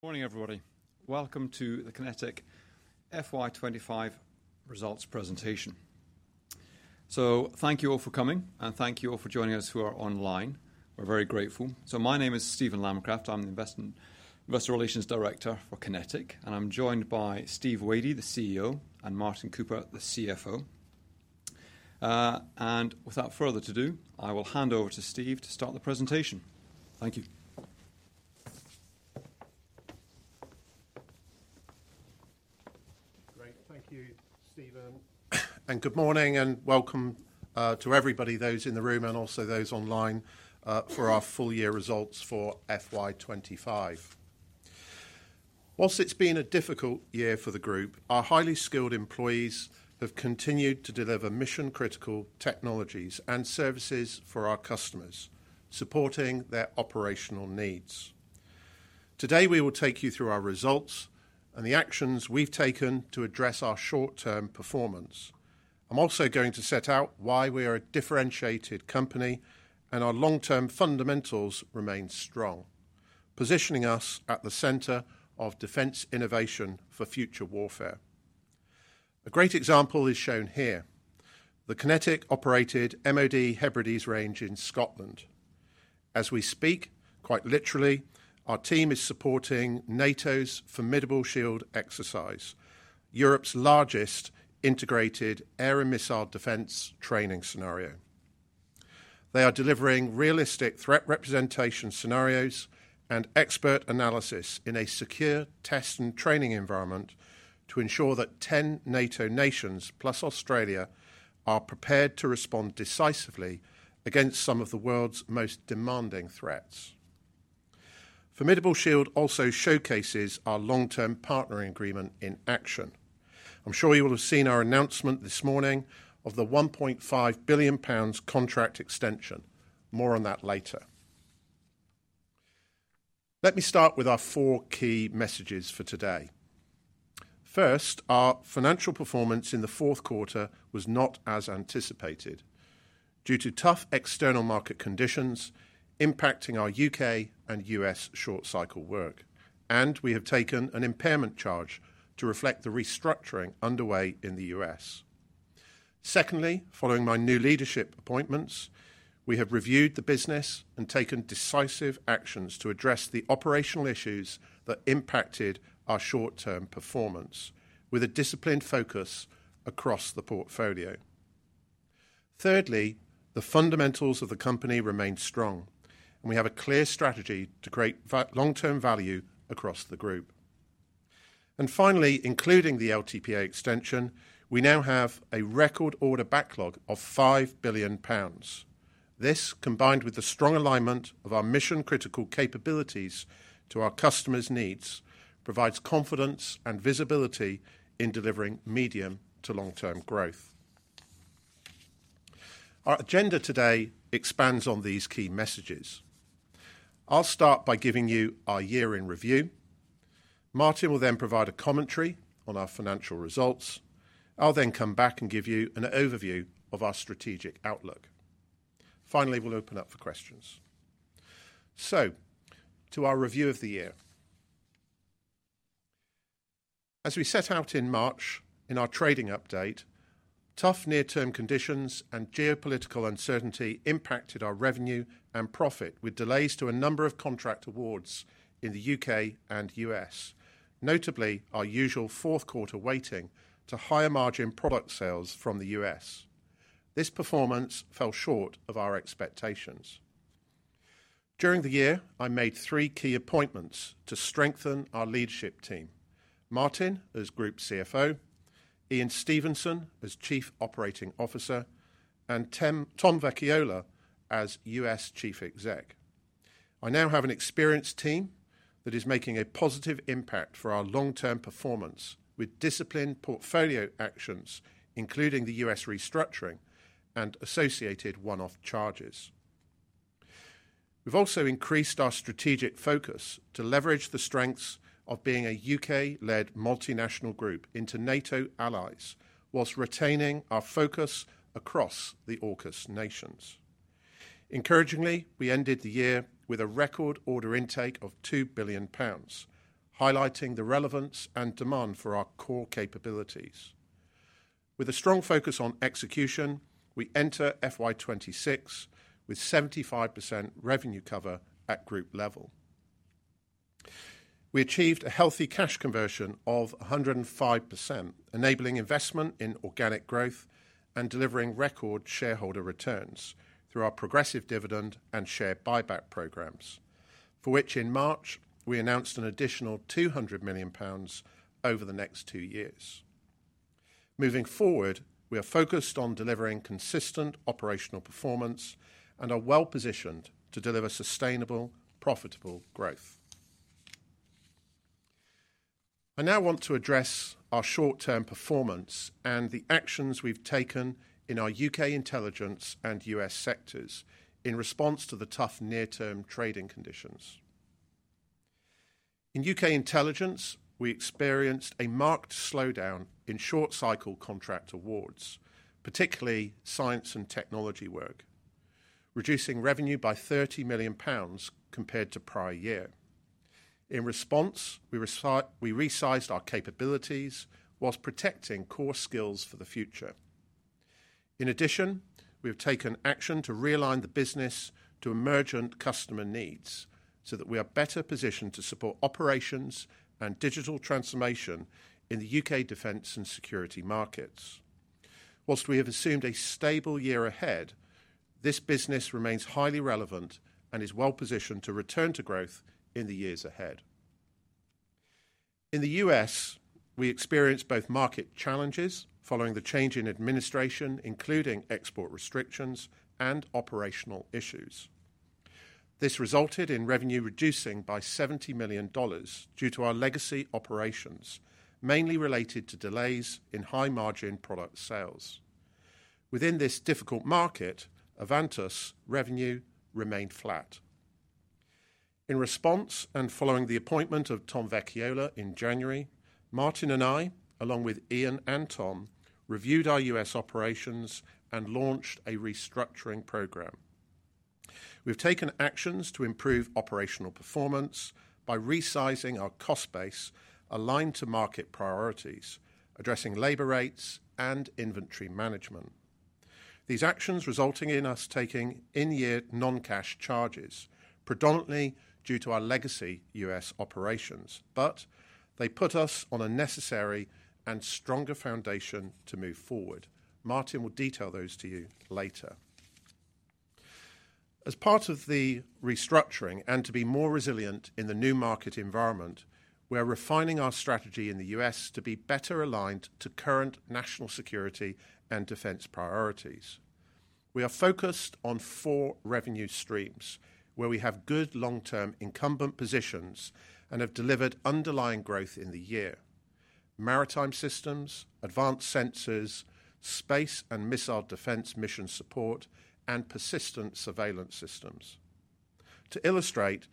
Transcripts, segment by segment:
Morning, everybody. Welcome to the QinetiQ FY25 Results Presentation. Thank you all for coming, and thank you all for joining us who are online. We're very grateful. My name is Stephen Lamacraft. I'm the Investor Relations Director for QinetiQ, and I'm joined by Steve Wadey, the CEO, and Martin Cooper, the CFO. Without further ado, I will hand over to Steve to start the presentation. Thank you. Great. Thank you, Stephen. Good morning, and welcome to everybody, those in the room and also those online, for our full-year results for FY2025. Whilst it's been a difficult year for the group, our highly skilled employees have continued to deliver mission-critical technologies and services for our customers, supporting their operational needs. Today, we will take you through our results and the actions we've taken to address our short-term performance. I'm also going to set out why we are a differentiated company and our long-term fundamentals remain strong, positioning us at the center of defense innovation for future warfare. A great example is shown here. The QinetiQ operated MOD Hebrides Range in Scotland. As we speak, quite literally, our team is supporting NATO's Formidable Shield exercise, Europe's largest integrated air and missile defense training scenario. They are delivering realistic threat representation scenarios and expert analysis in a secure test and training environment to ensure that 10 NATO nations, plus Australia, are prepared to respond decisively against some of the world's most demanding threats. Formidable Shield also showcases our Long Term Partnering Agreement in action. I'm sure you will have seen our announcement this morning of the 1.5 billion pounds contract extension. More on that later. Let me start with our four key messages for today. First, our financial performance in the fourth quarter was not as anticipated due to tough external market conditions impacting our U.K. and U.S. short-cycle work, and we have taken an impairment charge to reflect the restructuring underway in the U.S. Secondly, following my new leadership appointments, we have reviewed the business and taken decisive actions to address the operational issues that impacted our short-term performance with a disciplined focus across the portfolio. Thirdly, the fundamentals of the company remain strong, and we have a clear strategy to create long-term value across the group. Finally, including the LTPA extension, we now have a record order backlog of 5 billion pounds. This, combined with the strong alignment of our mission-critical capabilities to our customers' needs, provides confidence and visibility in delivering medium to long-term growth. Our agenda today expands on these key messages. I'll start by giving you our year-in review. Martin will then provide a commentary on our financial results. I'll then come back and give you an overview of our strategic outlook. Finally, we'll open up for questions. To our review of the year. As we set out in March in our trading update, tough near-term conditions and geopolitical uncertainty impacted our revenue and profit, with delays to a number of contract awards in the U.K. and U.S., notably our usual fourth-quarter weighting to higher-margin product sales from the U.S. This performance fell short of our expectations. During the year, I made three key appointments to strengthen our leadership team: Martin as Group CFO, Ian Stevenson as Chief Operating Officer, and Tom Vecchiolla as U.S. Chief Executive. I now have an experienced team that is making a positive impact for our long-term performance with disciplined portfolio actions, including the U.S. restructuring and associated one-off charges. We have also increased our strategic focus to leverage the strengths of being a U.K.-led multinational group into NATO allies, whilst retaining our focus across the AUKUS nations. Encouragingly, we ended the year with a record order intake of 2 billion pounds, highlighting the relevance and demand for our core capabilities. With a strong focus on execution, we enter FY26 with 75% revenue cover at group level. We achieved a healthy cash conversion of 105%, enabling investment in organic growth and delivering record shareholder returns through our progressive dividend and share buyback programs, for which in March we announced an additional 200 million pounds over the next two years. Moving forward, we are focused on delivering consistent operational performance and are well-positioned to deliver sustainable, profitable growth. I now want to address our short-term performance and the actions we have taken in our U.K. intelligence and U.S. sectors in response to the tough near-term trading conditions. In U.K. intelligence, we experienced a marked slowdown in short-cycle contract awards, particularly science and technology work, reducing revenue by 30 million pounds compared to prior year. In response, we resized our capabilities whilst protecting core skills for the future. In addition, we have taken action to realign the business to emergent customer needs so that we are better positioned to support operations and digital transformation in the U.K. defense and security markets. Whilst we have assumed a stable year ahead, this business remains highly relevant and is well-positioned to return to growth in the years ahead. In the U.S., we experienced both market challenges following the change in administration, including export restrictions and operational issues. This resulted in revenue reducing by $70 million due to our legacy operations, mainly related to delays in high-margin product sales. Within this difficult market, Avantus's revenue remained flat. In response and following the appointment of Tom Vecchiolla in January, Martin and I, along with Ian and Tom, reviewed our U.S. operations and launched a restructuring program. We've taken actions to improve operational performance by resizing our cost base aligned to market priorities, addressing labor rates and inventory management. These actions resulting in us taking in-year non-cash charges, predominantly due to our legacy U.S. operations, but they put us on a necessary and stronger foundation to move forward. Martin will detail those to you later. As part of the restructuring and to be more resilient in the new market environment, we are refining our strategy in the U.S. to be better aligned to current national security and defense priorities. We are focused on four revenue streams where we have good long-term incumbent positions and have delivered underlying growth in the year: maritime systems, advanced sensors, space and missile defense mission support, and persistent surveillance systems. To illustrate,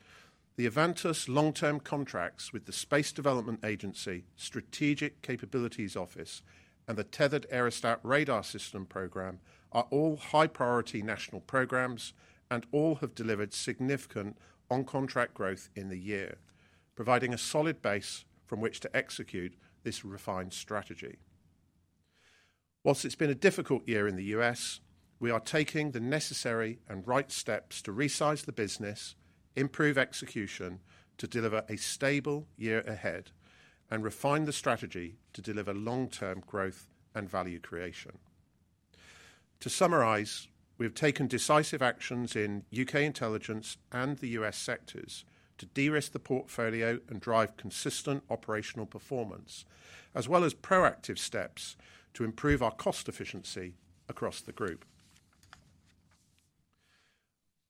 Avantus's long-term contracts with the Space Development Agency, Strategic Capabilities Office, and the Tethered Aerostat Radar System program are all high-priority national programs and all have delivered significant on-contract growth in the year, providing a solid base from which to execute this refined strategy. Whilst it's been a difficult year in the U.S., we are taking the necessary and right steps to resize the business, improve execution to deliver a stable year ahead, and refine the strategy to deliver long-term growth and value creation. To summarize, we have taken decisive actions in U.K. intelligence and the U.S. sectors to de-risk the portfolio and drive consistent operational performance, as well as proactive steps to improve our cost efficiency across the group.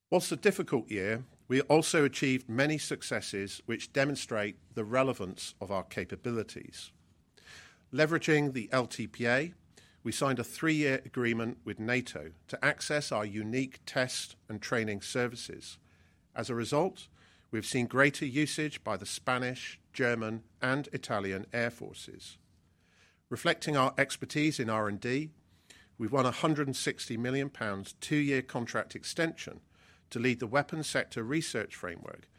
Whilst a difficult year, we also achieved many successes which demonstrate the relevance of our capabilities. Leveraging the LTPA, we signed a three-year agreement with NATO to access our unique test and training services. As a result, we've seen greater usage by the Spanish, German, and Italian air forces. Reflecting our expertise in R&D, we've won a 160 million pounds two-year contract extension to lead the weapons sector research framework,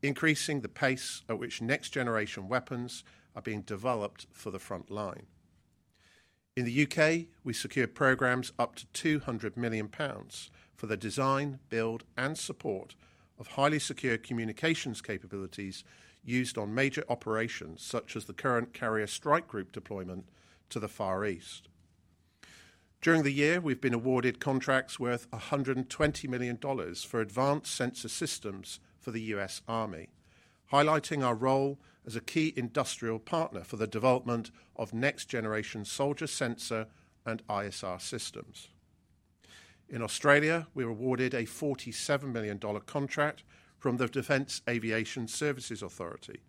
increasing the pace at which next-generation weapons are being developed for the front line. In the U.K., we secured programs up to 200 million pounds for the design, build, and support of highly secure communications capabilities used on major operations such as the current carrier strike group deployment to the Far East. During the year, we've been awarded contracts worth $120 million for advanced sensor systems for the U.S. Army, highlighting our role as a key industrial partner for the development of next-generation soldier sensor and ISR systems. In Australia, we were awarded an 47 million dollar contract from the Defense Aviation Services Authority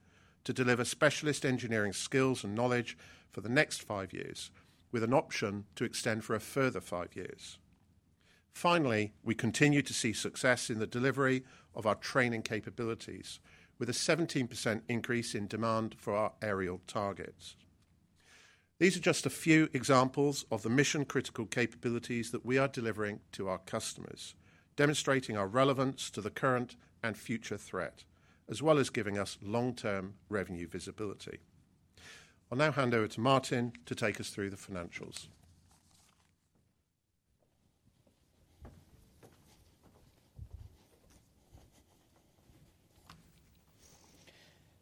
to deliver specialist engineering skills and knowledge for the next five years, with an option to extend for a further five years. Finally, we continue to see success in the delivery of our training capabilities, with a 17% increase in demand for our aerial targets. These are just a few examples of the mission-critical capabilities that we are delivering to our customers, demonstrating our relevance to the current and future threat, as well as giving us long-term revenue visibility. I'll now hand over to Martin to take us through the financials.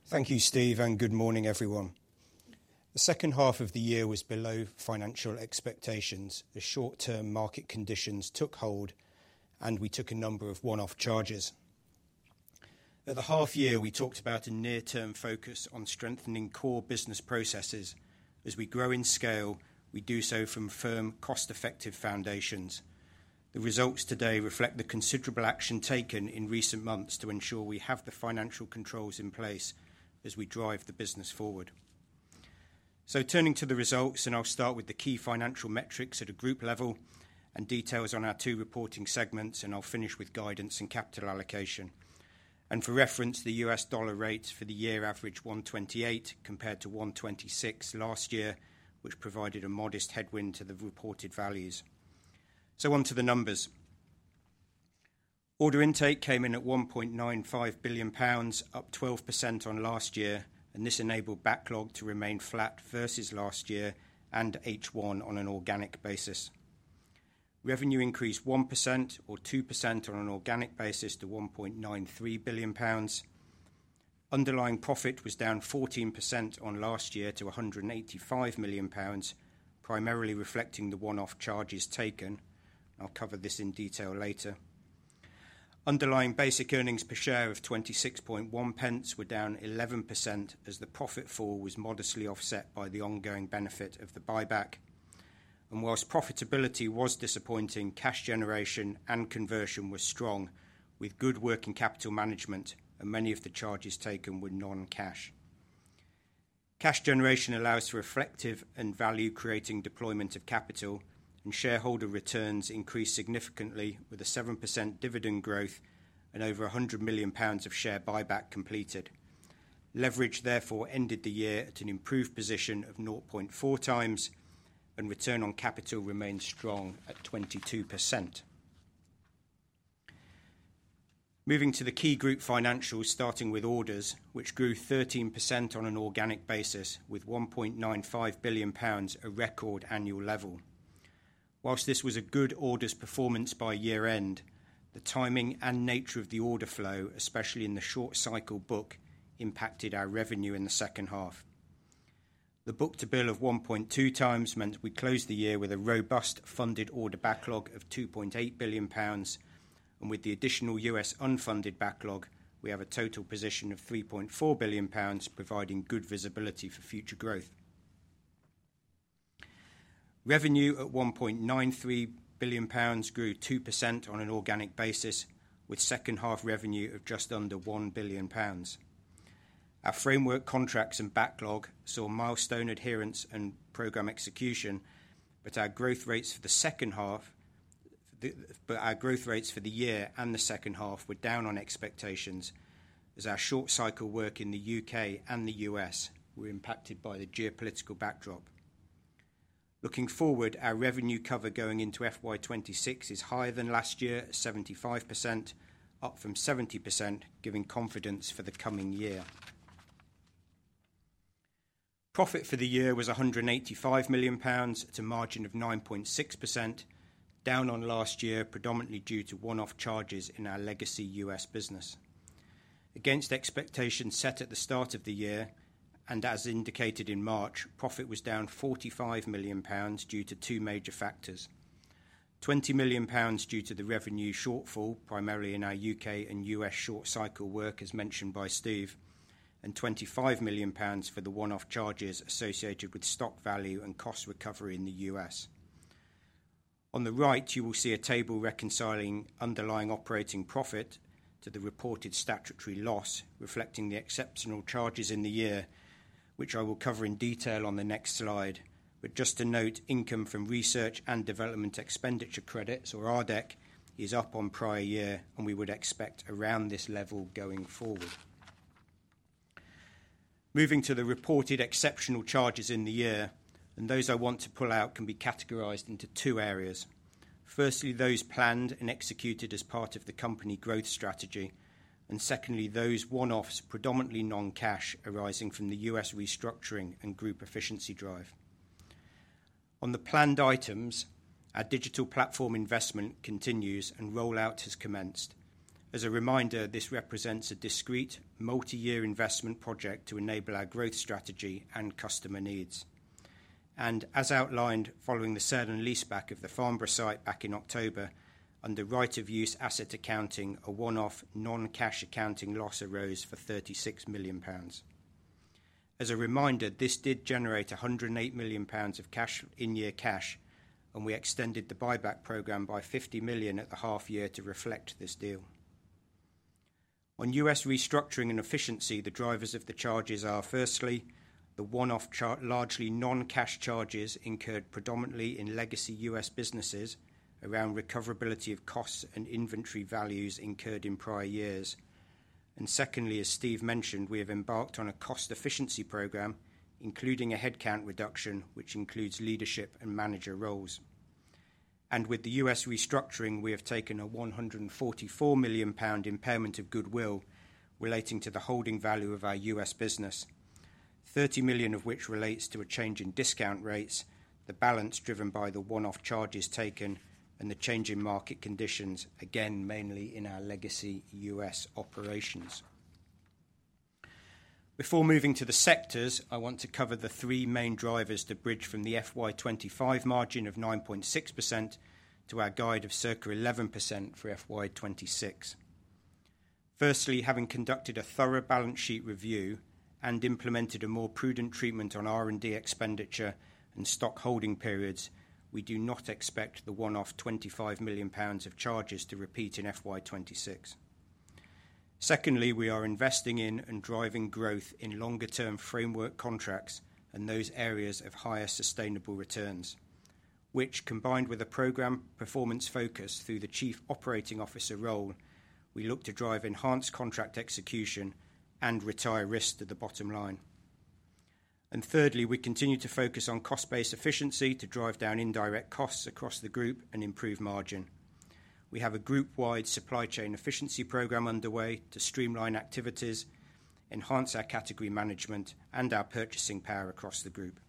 Thank you, Steve, and good morning, everyone. The second half of the year was below financial expectations. The short-term market conditions took hold, and we took a number of one-off charges. At the half-year, we talked about a near-term focus on strengthening core business processes. As we grow in scale, we do so from firm, cost-effective foundations. The results today reflect the considerable action taken in recent months to ensure we have the financial controls in place as we drive the business forward. Turning to the results, I'll start with the key financial metrics at a group level and details on our two reporting segments, and I'll finish with guidance and capital allocation. For reference, the $ rate for the year averaged 1.28 compared to 1.26 last year, which provided a modest headwind to the reported values. On to the numbers. Order intake came in at 1.95 billion pounds, up 12% on last year, and this enabled backlog to remain flat versus last year and H1 on an organic basis. Revenue increased 1% or 2% on an organic basis to 1.93 billion pounds. Underlying profit was down 14% on last year to 185 million pounds, primarily reflecting the one-off charges taken. I'll cover this in detail later. Underlying basic earnings per share of 0.26 were down 11% as the profit fall was modestly offset by the ongoing benefit of the buyback. Whilst profitability was disappointing, cash generation and conversion were strong, with good working capital management, and many of the charges taken were non-cash. Cash generation allows for reflective and value-creating deployment of capital, and shareholder returns increased significantly, with a 7% dividend growth and over 100 million pounds of share buyback completed. Leverage, therefore, ended the year at an improved position of 0.4 times, and return on capital remained strong at 22%. Moving to the key group financials, starting with orders, which grew 13% on an organic basis, with 1.95 billion pounds, a record annual level. Whilst this was a good orders performance by year-end, the timing and nature of the order flow, especially in the short-cycle book, impacted our revenue in the second half. The book-to-bill of 1.2 times meant we closed the year with a robust funded order backlog of GBP 2.8 billion, and with the additional U.S. unfunded backlog, we have a total position of 3.4 billion pounds, providing good visibility for future growth. Revenue at 1.93 billion pounds grew 2% on an organic basis, with second-half revenue of just under 1 billion pounds. Our framework contracts and backlog saw milestone adherence and program execution, but our growth rates for the year and the second half were down on expectations, as our short-cycle work in the U.K. and the U.S. were impacted by the geopolitical backdrop. Looking forward, our revenue cover going into FY2026 is higher than last year, 75%, up from 70%, giving confidence for the coming year. Profit for the year was 185 million pounds at a margin of 9.6%, down on last year predominantly due to one-off charges in our legacy U.S. business. Against expectations set at the start of the year, and as indicated in March, profit was down GBP 45 million due to two major factors: GBP 20 million due to the revenue shortfall, primarily in our U.K. and U.S. short-cycle work as mentioned by Steve, and 25 million pounds for the one-off charges associated with stock value and cost recovery in the U.S. On the right, you will see a table reconciling underlying operating profit to the reported statutory loss, reflecting the exceptional charges in the year, which I will cover in detail on the next slide. Just to note, income from research and development expenditure credits, or RDEC, is up on prior year, and we would expect around this level going forward. Moving to the reported exceptional charges in the year, and those I want to pull out can be categorized into two areas. Firstly, those planned and executed as part of the company growth strategy, and secondly, those one-offs, predominantly non-cash, arising from the U.S. restructuring and group efficiency drive. On the planned items, our digital platform investment continues and rollout has commenced. As a reminder, this represents a discrete multi-year investment project to enable our growth strategy and customer needs. As outlined following the sale and leaseback of the Farnborough site back in October, under right-of-use asset accounting, a one-off non-cash accounting loss arose for 36 million pounds. As a reminder, this did generate 108 million pounds of in-year cash, and we extended the buyback program by 50 million at the half-year to reflect this deal. On U.S. restructuring and efficiency, the drivers of the charges are, firstly, the one-off largely non-cash charges incurred predominantly in legacy U.S. businesses around recoverability of costs and inventory values incurred in prior years. Secondly, as Steve mentioned, we have embarked on a cost efficiency program, including a headcount reduction, which includes leadership and manager roles. With the U.S. restructuring, we have taken a 144 million pound impairment of goodwill relating to the holding value of our U.S. business, 30 million of which relates to a change in discount rates, the balance driven by the one-off charges taken, and the change in market conditions, again, mainly in our legacy U.S. operations. Before moving to the sectors, I want to cover the three main drivers to bridge from the FY 2025 margin of 9.6% to our guide of circa 11% for FY 2026. Firstly, having conducted a thorough balance sheet review and implemented a more prudent treatment on R&D expenditure and stock holding periods, we do not expect the one-off 25 million pounds of charges to repeat in FY 2026. Secondly, we are investing in and driving growth in longer-term framework contracts and those areas of higher sustainable returns, which, combined with a program performance focus through the Chief Operating Officer role, we look to drive enhanced contract execution and retire risk to the bottom line. Thirdly, we continue to focus on cost-based efficiency to drive down indirect costs across the group and improve margin. We have a group-wide supply chain efficiency program underway to streamline activities, enhance our category management, and our purchasing power across the group.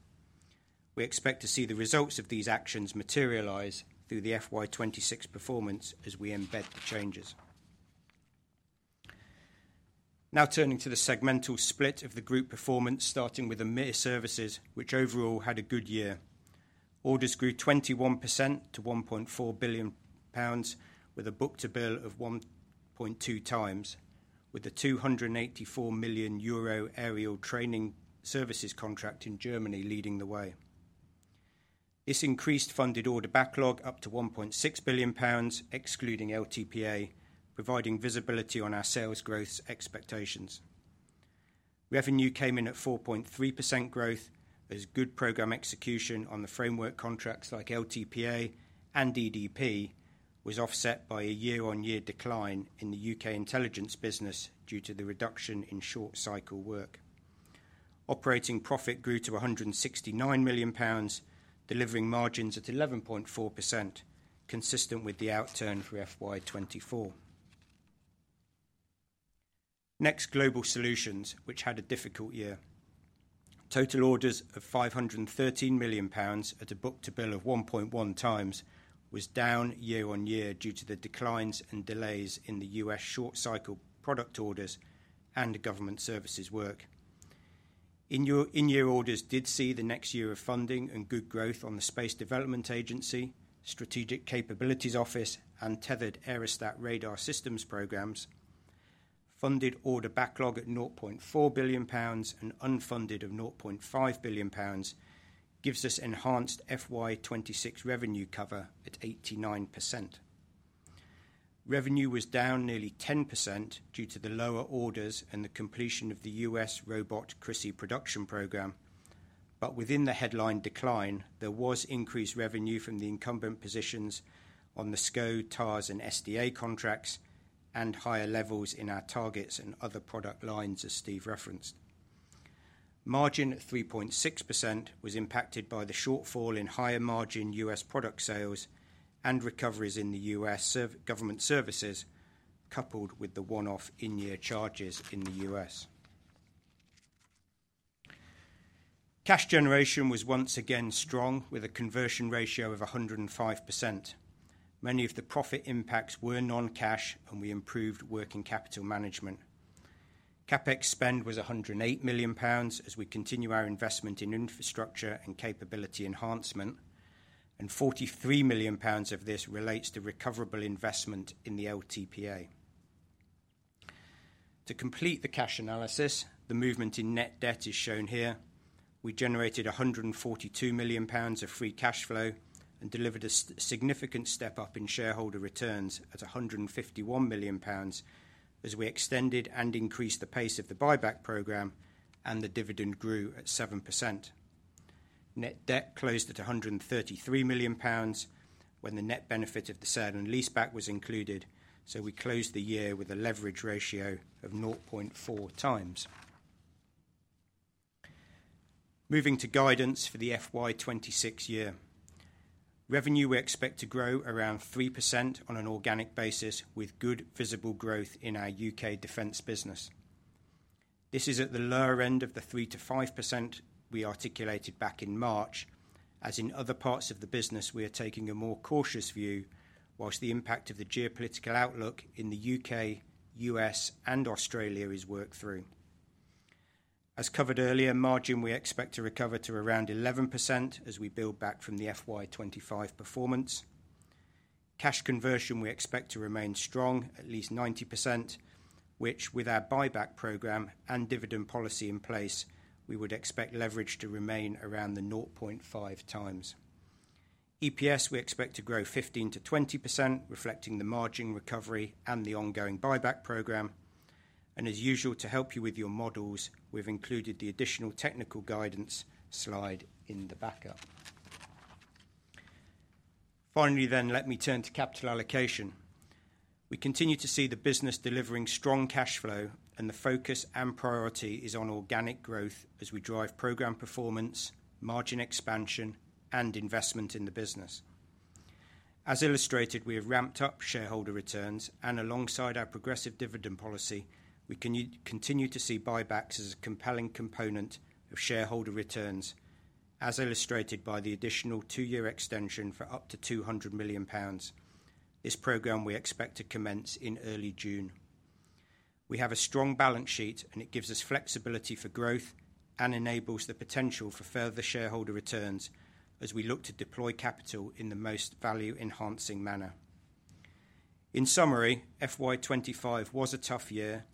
We expect to see the results of these actions materialize through the FY2026 performance as we embed the changes. Now turning to the segmental split of the group performance, starting with the EMEA services, which overall had a good year. Orders grew 21% to 1.4 billion pounds, with a book-to-bill of 1.2 times, with the 284 million euro aerial training services contract in Germany leading the way. This increased funded order backlog up to 1.6 billion pounds, excluding LTPA, providing visibility on our sales growth expectations. Revenue came in at 4.3% growth, as good program execution on the framework contracts like LTPA and EDP was offset by a year-on-year decline in the U.K. intelligence business due to the reduction in short-cycle work. Operating profit grew to 169 million pounds, delivering margins at 11.4%, consistent with the outturn for FY2024. Next, global solutions, which had a difficult year. Total orders of 513 million pounds at a book-to-bill of 1.1 times was down year-on-year due to the declines and delays in the U.S. short-cycle product orders and government services work. In-year orders did see the next year of funding and good growth on the Space Development Agency, Strategic Capabilities Office, and Tethered Aerostat Radar Systems programs. Funded order backlog at 0.4 billion pounds and unfunded of 0.5 billion pounds gives us enhanced FY2026 revenue cover at 89%. Revenue was down nearly 10% due to the lower orders and the completion of the U.S. Robot CRIS(I) production program. Within the headline decline, there was increased revenue from the incumbent positions on the SCO, TARS, and SDA contracts and higher levels in our targets and other product lines, as Steve referenced. Margin at 3.6% was impacted by the shortfall in higher margin U.S. product sales and recoveries in the U.S. government services, coupled with the one-off in-year charges in the U.S. Cash generation was once again strong, with a conversion ratio of 105%. Many of the profit impacts were non-cash, and we improved working capital management. CapEx spend was 108 million pounds as we continue our investment in infrastructure and capability enhancement, and 43 million pounds of this relates to recoverable investment in the LTPA. To complete the cash analysis, the movement in net debt is shown here. We generated 142 million pounds of free cash flow and delivered a significant step up in shareholder returns at 151 million pounds as we extended and increased the pace of the buyback program, and the dividend grew at 7%. Net debt closed at 133 million pounds when the net benefit of the sale and leaseback was included, so we closed the year with a leverage ratio of 0.4 times. Moving to guidance for the FY2026 year, revenue we expect to grow around 3% on an organic basis, with good visible growth in our U.K. defence business. This is at the lower end of the 3%-5% we articulated back in March, as in other parts of the business we are taking a more cautious view, whilst the impact of the geopolitical outlook in the U.K., U.S., and Australia is worked through. As covered earlier, margin we expect to recover to around 11% as we build back from the FY2025 performance. Cash conversion we expect to remain strong, at least 90%, which, with our buyback program and dividend policy in place, we would expect leverage to remain around the 0.5 times. EPS we expect to grow 15%-20%, reflecting the margin recovery and the ongoing buyback program. As usual, to help you with your models, we've included the additional technical guidance slide in the backup. Finally then, let me turn to capital allocation. We continue to see the business delivering strong cash flow, and the focus and priority is on organic growth as we drive program performance, margin expansion, and investment in the business. As illustrated, we have ramped up shareholder returns, and alongside our progressive dividend policy, we continue to see buybacks as a compelling component of shareholder returns, as illustrated by the additional two-year extension for up to GBP 200 million. This program we expect to commence in early June. We have a strong balance sheet, and it gives us flexibility for growth and enables the potential for further shareholder returns as we look to deploy capital in the most value-enhancing manner. In summary, FY 2025 was a tough year.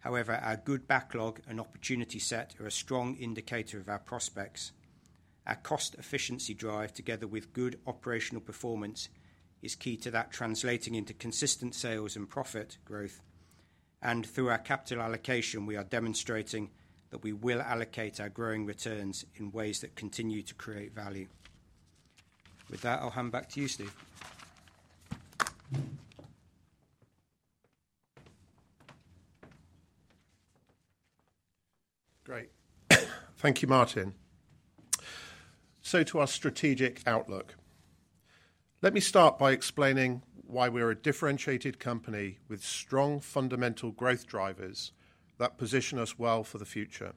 However, our good backlog and opportunity set are a strong indicator of our prospects. Our cost efficiency drive, together with good operational performance, is key to that, translating into consistent sales and profit growth. Through our capital allocation, we are demonstrating that we will allocate our growing returns in ways that continue to create value. With that, I'll hand back to you, Steve. Great. Thank you, Martin. To our strategic outlook, let me start by explaining why we are a differentiated company with strong fundamental growth drivers that position us well for the future.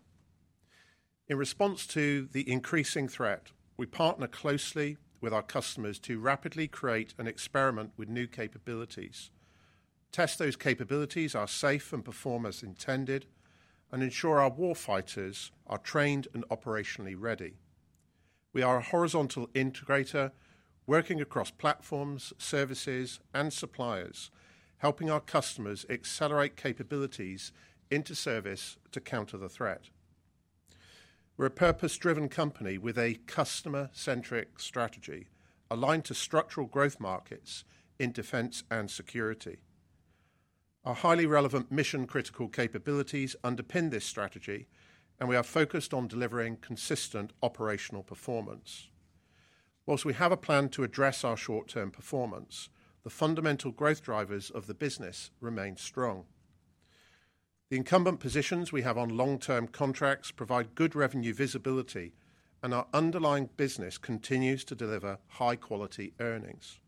In response to the increasing threat, we partner closely with our customers to rapidly create and experiment with new capabilities, test those capabilities are safe and perform as intended, and ensure our war fighters are trained and operationally ready. We are a horizontal integrator working across platforms, services, and suppliers, helping our customers accelerate capabilities into service to counter the threat. We're a purpose-driven company with a customer-centric strategy aligned to structural growth markets in defense and security. Our highly relevant mission-critical capabilities underpin this strategy, and we are focused on delivering consistent operational performance. Whilst we have a plan to address our short-term performance, the fundamental growth drivers of the business remain strong. The incumbent positions we have on long-term contracts provide good revenue visibility, and our underlying business continues to deliver high-quality earnings.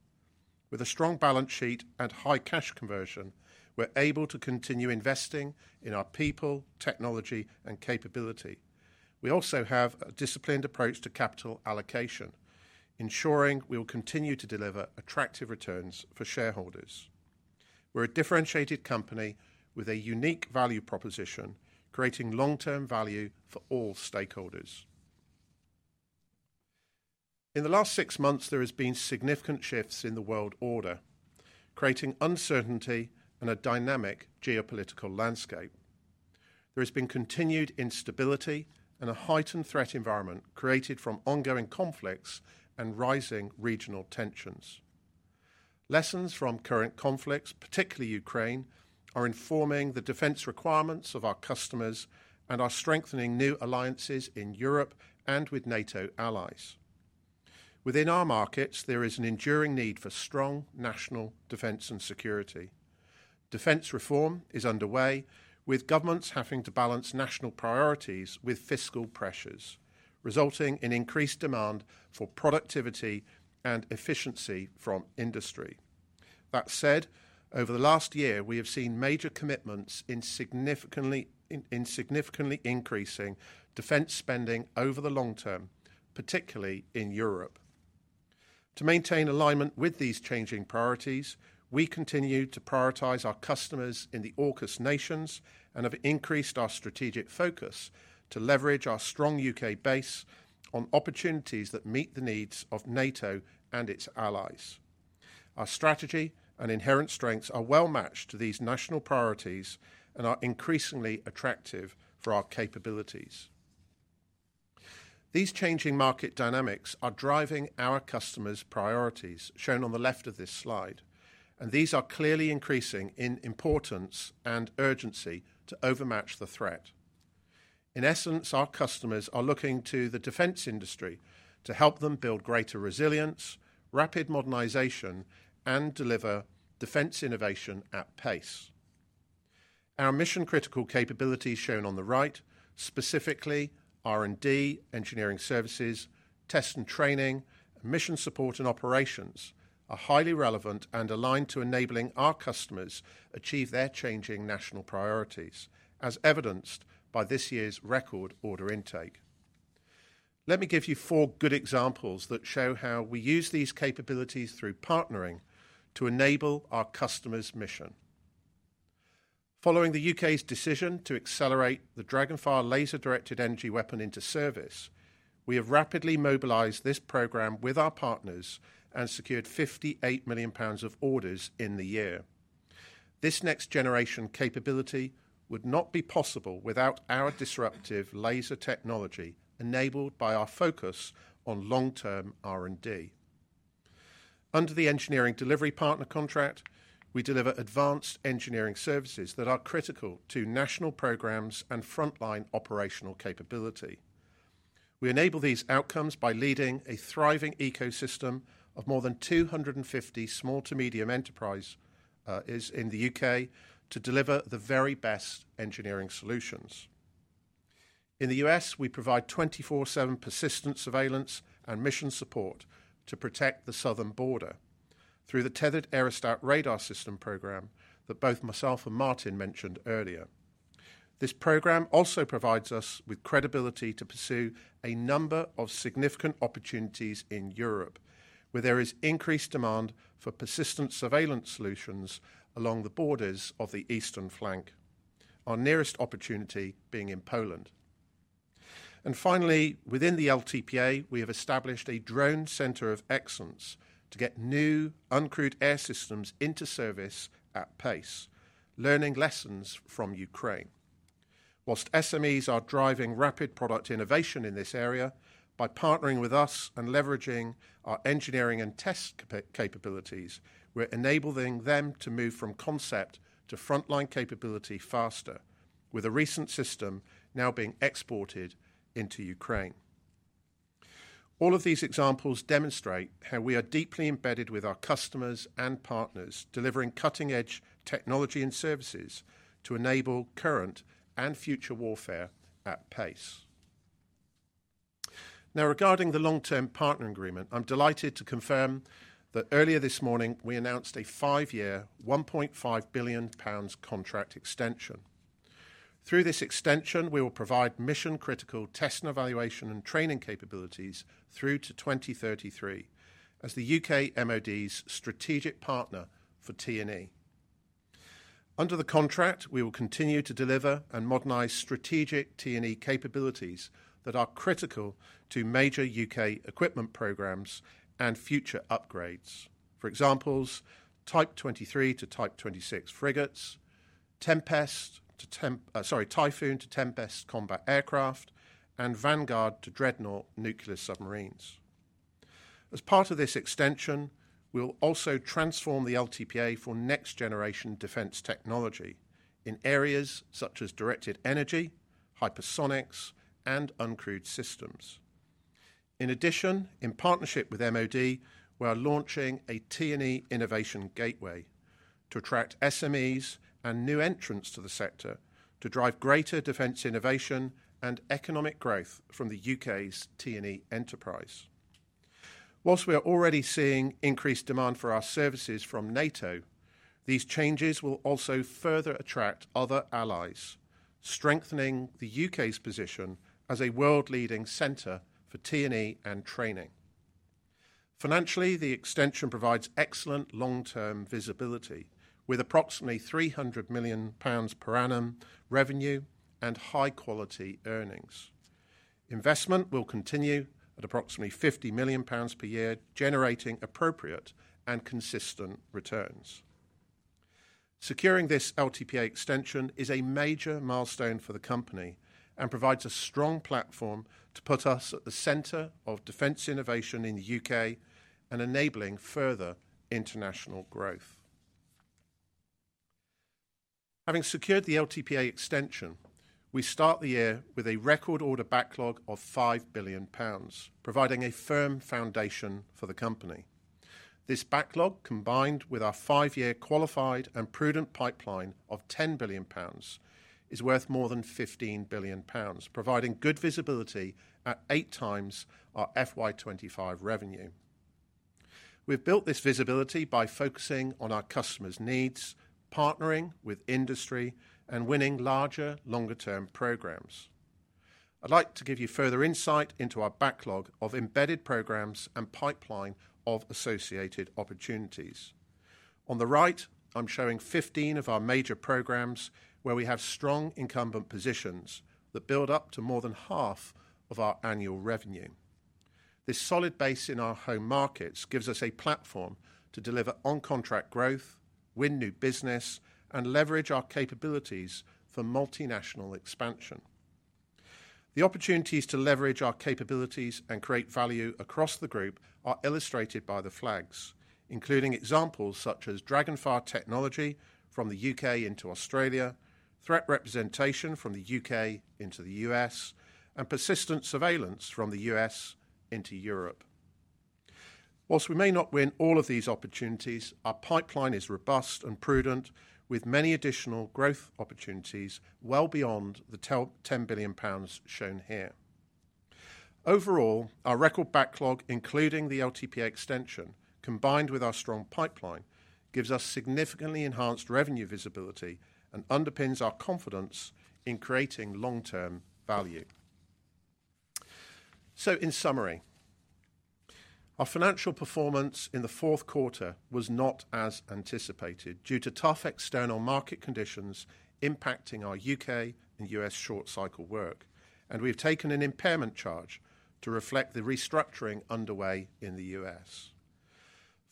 With a strong balance sheet and high cash conversion, we're able to continue investing in our people, technology, and capability. We also have a disciplined approach to capital allocation, ensuring we will continue to deliver attractive returns for shareholders. We're a differentiated company with a unique value proposition, creating long-term value for all stakeholders. In the last six months, there have been significant shifts in the world order, creating uncertainty and a dynamic geopolitical landscape. There has been continued instability and a heightened threat environment created from ongoing conflicts and rising regional tensions. Lessons from current conflicts, particularly Ukraine, are informing the defense requirements of our customers and are strengthening new alliances in Europe and with NATO allies. Within our markets, there is an enduring need for strong national defense and security. Defense reform is underway, with governments having to balance national priorities with fiscal pressures, resulting in increased demand for productivity and efficiency from industry. That said, over the last year, we have seen major commitments in significantly increasing defense spending over the long term, particularly in Europe. To maintain alignment with these changing priorities, we continue to prioritize our customers in the AUKUS nations and have increased our strategic focus to leverage our strong U.K. base on opportunities that meet the needs of NATO and its allies. Our strategy and inherent strengths are well matched to these national priorities and are increasingly attractive for our capabilities. These changing market dynamics are driving our customers' priorities, shown on the left of this slide, and these are clearly increasing in importance and urgency to overmatch the threat. In essence, our customers are looking to the defense industry to help them build greater resilience, rapid modernization, and deliver defense innovation at pace. Our mission-critical capabilities, shown on the right, specifically R&D, engineering services, test and training, and mission support and operations, are highly relevant and aligned to enabling our customers achieve their changing national priorities, as evidenced by this year's record order intake. Let me give you four good examples that show how we use these capabilities through partnering to enable our customers' mission. Following the U.K.'s decision to accelerate the DragonFire laser-directed energy weapon into service, we have rapidly mobilized this program with our partners and secured 58 million pounds of orders in the year. This next-generation capability would not be possible without our disruptive laser technology enabled by our focus on long-term R&D. Under the engineering delivery partner contract, we deliver advanced engineering services that are critical to national programs and frontline operational capability. We enable these outcomes by leading a thriving ecosystem of more than 250 small to medium enterprises in the U.K. to deliver the very best engineering solutions. In the U.S., we provide 24/7 persistent surveillance and mission support to protect the southern border through the Tethered Aerostat Radar System program that both myself and Martin mentioned earlier. This program also provides us with credibility to pursue a number of significant opportunities in Europe, where there is increased demand for persistent surveillance solutions along the borders of the eastern flank, our nearest opportunity being in Poland. Finally, within the LTPA, we have established a drone center of excellence to get new uncrewed air systems into service at pace, learning lessons from Ukraine. Whilst SMEs are driving rapid product innovation in this area, by partnering with us and leveraging our engineering and test capabilities, we are enabling them to move from concept to frontline capability faster, with a recent system now being exported into Ukraine. All of these examples demonstrate how we are deeply embedded with our customers and partners, delivering cutting-edge technology and services to enable current and future warfare at pace. Now, regarding the long-term partner agreement, I'm delighted to confirm that earlier this morning we announced a five-year, 1.5 billion pounds contract extension. Through this extension, we will provide mission-critical test and evaluation and training capabilities through to 2033 as the U.K. MOD's strategic partner for T&E. Under the contract, we will continue to deliver and modernize strategic T&E capabilities that are critical to major U.K. equipment programs and future upgrades, for example, Type 23 to Type 26 frigates, Typhoon to Tempest combat aircraft, and Vanguard to Dreadnought nuclear submarines. As part of this extension, we'll also transform the LTPA for next-generation defense technology in areas such as directed energy, hypersonics, and uncrewed systems. In addition, in partnership with MOD, we are launching a T&E innovation gateway to attract SMEs and new entrants to the sector to drive greater defense innovation and economic growth from the U.K.'s T&E enterprise. Whilst we are already seeing increased demand for our services from NATO, these changes will also further attract other allies, strengthening the U.K.'s position as a world-leading center for T&E and training. Financially, the extension provides excellent long-term visibility with approximately 300 million pounds per annum revenue and high-quality earnings. Investment will continue at approximately GBP 50 million per year, generating appropriate and consistent returns. Securing this LTPA extension is a major milestone for the company and provides a strong platform to put us at the center of defense innovation in the U.K. and enabling further international growth. Having secured the LTPA extension, we start the year with a record order backlog of 5 billion pounds, providing a firm foundation for the company. This backlog, combined with our five-year qualified and prudent pipeline of 10 billion pounds, is worth more than 15 billion pounds, providing good visibility at eight times our FY2025 revenue. We've built this visibility by focusing on our customers' needs, partnering with industry, and winning larger, longer-term programs. I'd like to give you further insight into our backlog of embedded programs and pipeline of associated opportunities. On the right, I'm showing 15 of our major programs where we have strong incumbent positions that build up to more than half of our annual revenue. This solid base in our home markets gives us a platform to deliver on-contract growth, win new business, and leverage our capabilities for multinational expansion. The opportunities to leverage our capabilities and create value across the group are illustrated by the flags, including examples such as DragonFire technology from the U.K. into Australia, threat representation from the U.K. into the U.S., and persistent surveillance from the U.S. into Europe. Whilst we may not win all of these opportunities, our pipeline is robust and prudent, with many additional growth opportunities well beyond the 10 billion pounds shown here. Overall, our record backlog, including the LTPA extension, combined with our strong pipeline, gives us significantly enhanced revenue visibility and underpins our confidence in creating long-term value. In summary, our financial performance in the fourth quarter was not as anticipated due to tough external market conditions impacting our U.K. and U.S. short-cycle work, and we have taken an impairment charge to reflect the restructuring underway in the U.S.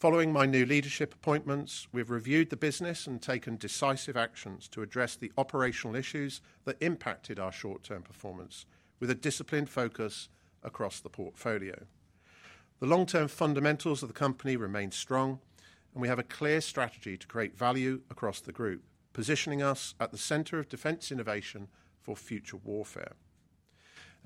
Following my new leadership appointments, we have reviewed the business and taken decisive actions to address the operational issues that impacted our short-term performance, with a disciplined focus across the portfolio. The long-term fundamentals of the company remain strong, and we have a clear strategy to create value across the group, positioning us at the center of defense innovation for future warfare.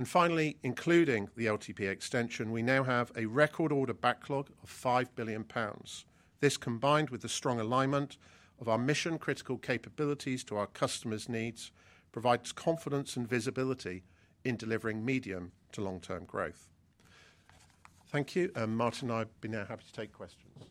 Finally, including the LTPA extension, we now have a record order backlog of 5 billion pounds. This, combined with the strong alignment of our mission-critical capabilities to our customers' needs, provides confidence and visibility in delivering medium to long-term growth. Thank you, and Martin and I will now be happy to take questions.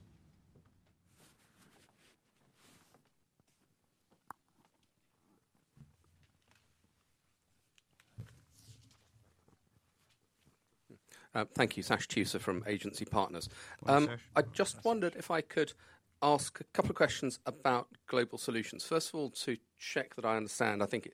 Thank you, Sash Tusa from Agency Partners. I just wondered if I could ask a couple of questions about Global Solutions. First of all, to check that I understand, I think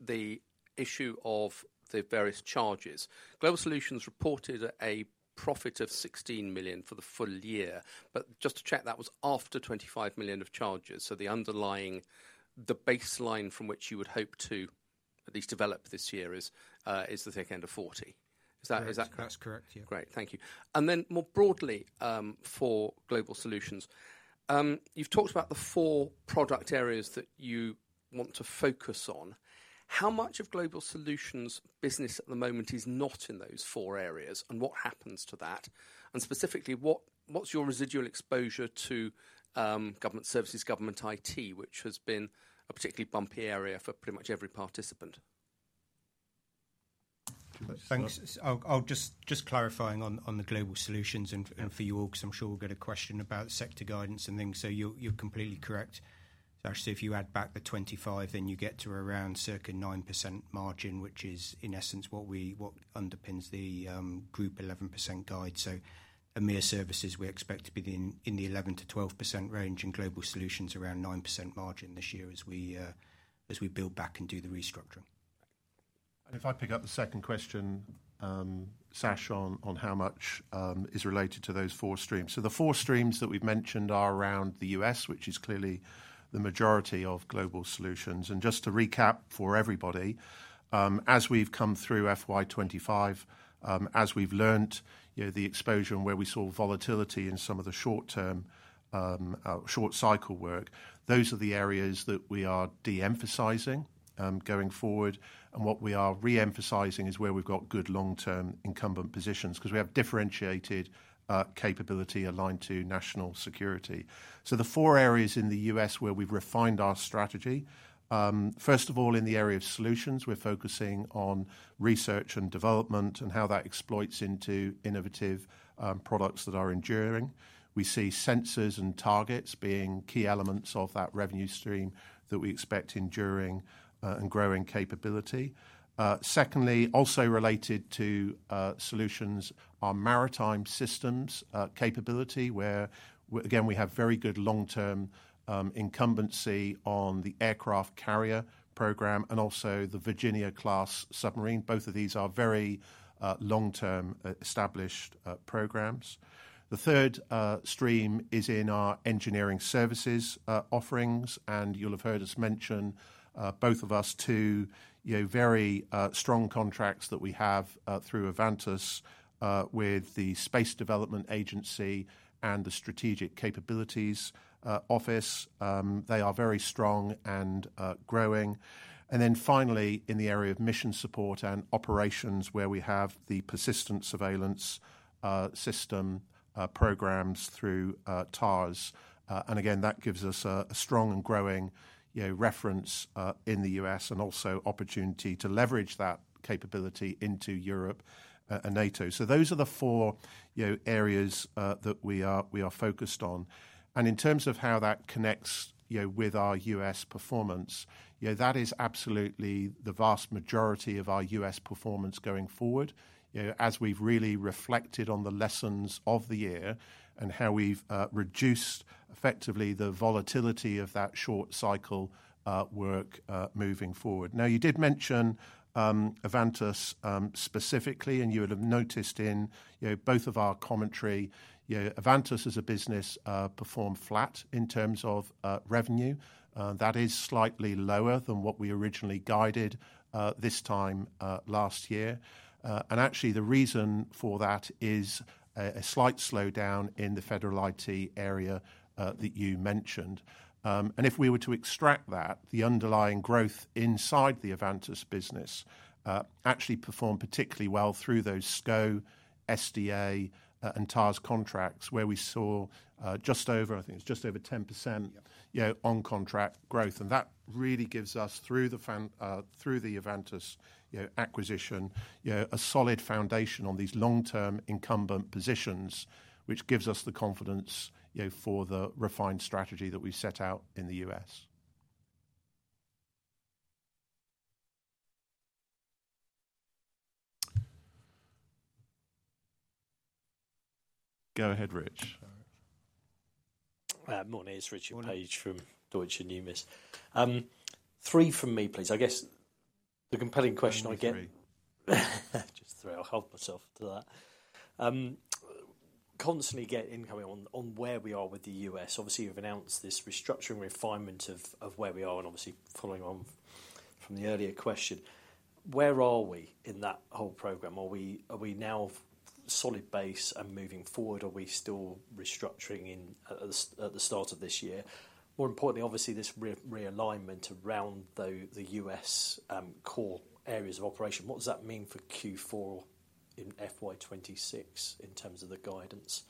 the issue of the various charges. Global Solutions reported a profit of 16 million for the full year, but just to check, that was after 25 million of charges. So the underlying, the baseline from which you would hope to at least develop this year is the thick end of 40 million. Is that correct? That's correct, Yeah. Great. Thank you. And then more broadly for Global Solutions, you've talked about the four product areas that you want to focus on. How much of Global Solutions' business at the moment is not in those four areas, and what happens to that? And specifically, what's your residual exposure to government services, government IT, which has been a particularly bumpy area for pretty much every participant? Thanks. I'll just clarify on the Global Solutions and for you all, because I'm sure we'll get a question about sector guidance and things. You're completely correct. If you add back the 25, then you get to around circa 9% margin, which is in essence what underpins the Group 11% guide. A mere services we expect to be in the 11%-12% range, and Global Solutions around 9% margin this year as we build back and do the restructuring. If I pick up the second question, Sash, on how much is related to those four streams. The four streams that we've mentioned are around the U.S., which is clearly the majority of Global Solutions. Just to recap for everybody, as we have come through FY2025, as we have learned the exposure and where we saw volatility in some of the short-cycle work, those are the areas that we are de-emphasizing going forward. What we are re-emphasizing is where we have good long-term incumbent positions, because we have differentiated capability aligned to national security. The four areas in the U.S. where we have refined our strategy, first of all, in the area of solutions, we are focusing on research and development and how that exploits into innovative products that are enduring. We see sensors and targets being key elements of that revenue stream that we expect enduring and growing capability. Secondly, also related to solutions, our maritime systems capability, where again, we have very good long-term incumbency on the aircraft carrier program and also the Virginia class submarine. Both of these are very long-term established programs. The third stream is in our engineering services offerings, and you'll have heard us mention both of those two very strong contracts that we have through Avantus with the Space Development Agency and the Strategic Capabilities Office. They are very strong and growing. Finally, in the area of mission support and operations, where we have the persistent surveillance system programs through TARS. That gives us a strong and growing reference in the U.S. and also opportunity to leverage that capability into Europe and NATO. Those are the four areas that we are focused on. In terms of how that connects with our U.S. performance, that is absolutely the vast majority of our U.S. performance going forward, as we've really reflected on the lessons of the year and how we've reduced effectively the volatility of that short-cycle work moving forward. Now, you did mention Avantus specifically, and you would have noticed in both of our commentary, Avantus as a business performed flat in terms of revenue. That is slightly lower than what we originally guided this time last year. Actually, the reason for that is a slight slowdown in the federal IT area that you mentioned. If we were to extract that, the underlying growth inside the Avantus business actually performed particularly well through those SCO, SDA, and TARS contracts, where we saw just over, I think it's just over 10% on-contract growth. That really gives us, through the Avantus acquisition, a solid foundation on these long-term incumbent positions, which gives us the confidence for the refined strategy that we set out in the U.S. Go ahead, Rich. Morning, it's Richard Paige from Deutsche Numis. Three from me, please. I guess the compelling question I get— Just three. I'll hold myself to that. Constantly get incoming on where we are with the U.S. Obviously, you've announced this restructuring refinement of where we are, and obviously following on from the earlier question, where are we in that whole program? Are we now solid base and moving forward, or are we still restructuring at the start of this year? More importantly, obviously, this realignment around the U.S. core areas of operation, what does that mean for Q4 in FY2026 in terms of the guidance?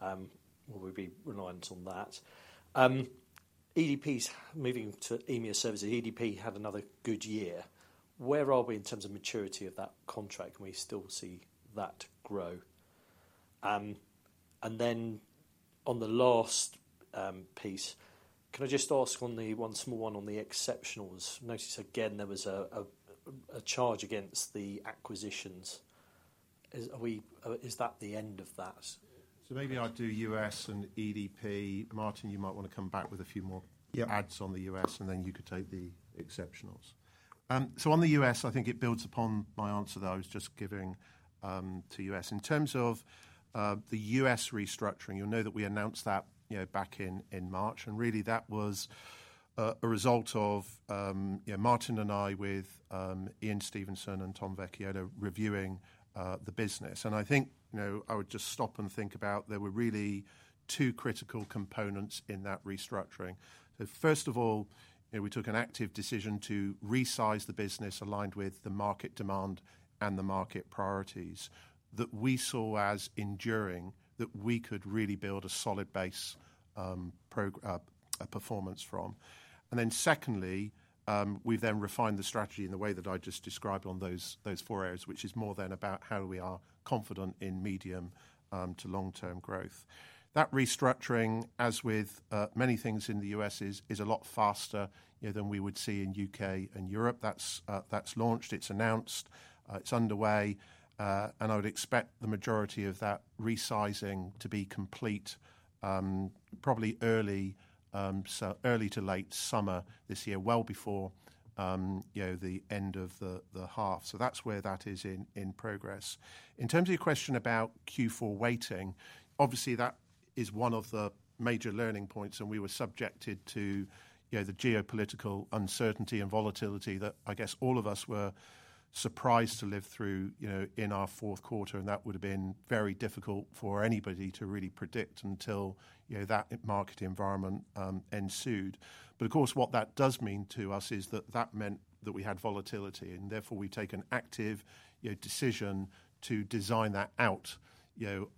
Will we be reliant on that? EDP's moving to EMEA services. EDP had another good year. Where are we in terms of maturity of that contract? Can we still see that grow? On the last piece, can I just ask one small one on the exceptionals? Notice again, there was a charge against the acquisitions. Is that the end of that? Maybe I'll do U.S. and EDP. Martin, you might want to come back with a few more adds on the U.S., and then you could take the exceptionals. On the U.S., I think it builds upon my answer that I was just giving to U.S. In terms of the U.S. restructuring, you'll know that we announced that back in March, and really that was a result of Martin and I with Ian Stevenson and Tom Vecchiolla reviewing the business. I think I would just stop and think about there were really two critical components in that restructuring. First of all, we took an active decision to resize the business aligned with the market demand and the market priorities that we saw as enduring, that we could really build a solid base performance from. We have then refined the strategy in the way that I just described on those four areas, which is more about how we are confident in medium to long-term growth. That restructuring, as with many things in the U.S., is a lot faster than we would see in the U.K. and Europe. That is launched, it is announced, it is underway, and I would expect the majority of that resizing to be complete probably early to late summer this year, well before the end of the half. That is where that is in progress. In terms of your question about Q4 waiting, obviously that is one of the major learning points, and we were subjected to the geopolitical uncertainty and volatility that I guess all of us were surprised to live through in our fourth quarter, and that would have been very difficult for anybody to really predict until that market environment ensued. Of course, what that does mean to us is that that meant that we had volatility, and therefore we've taken an active decision to design that out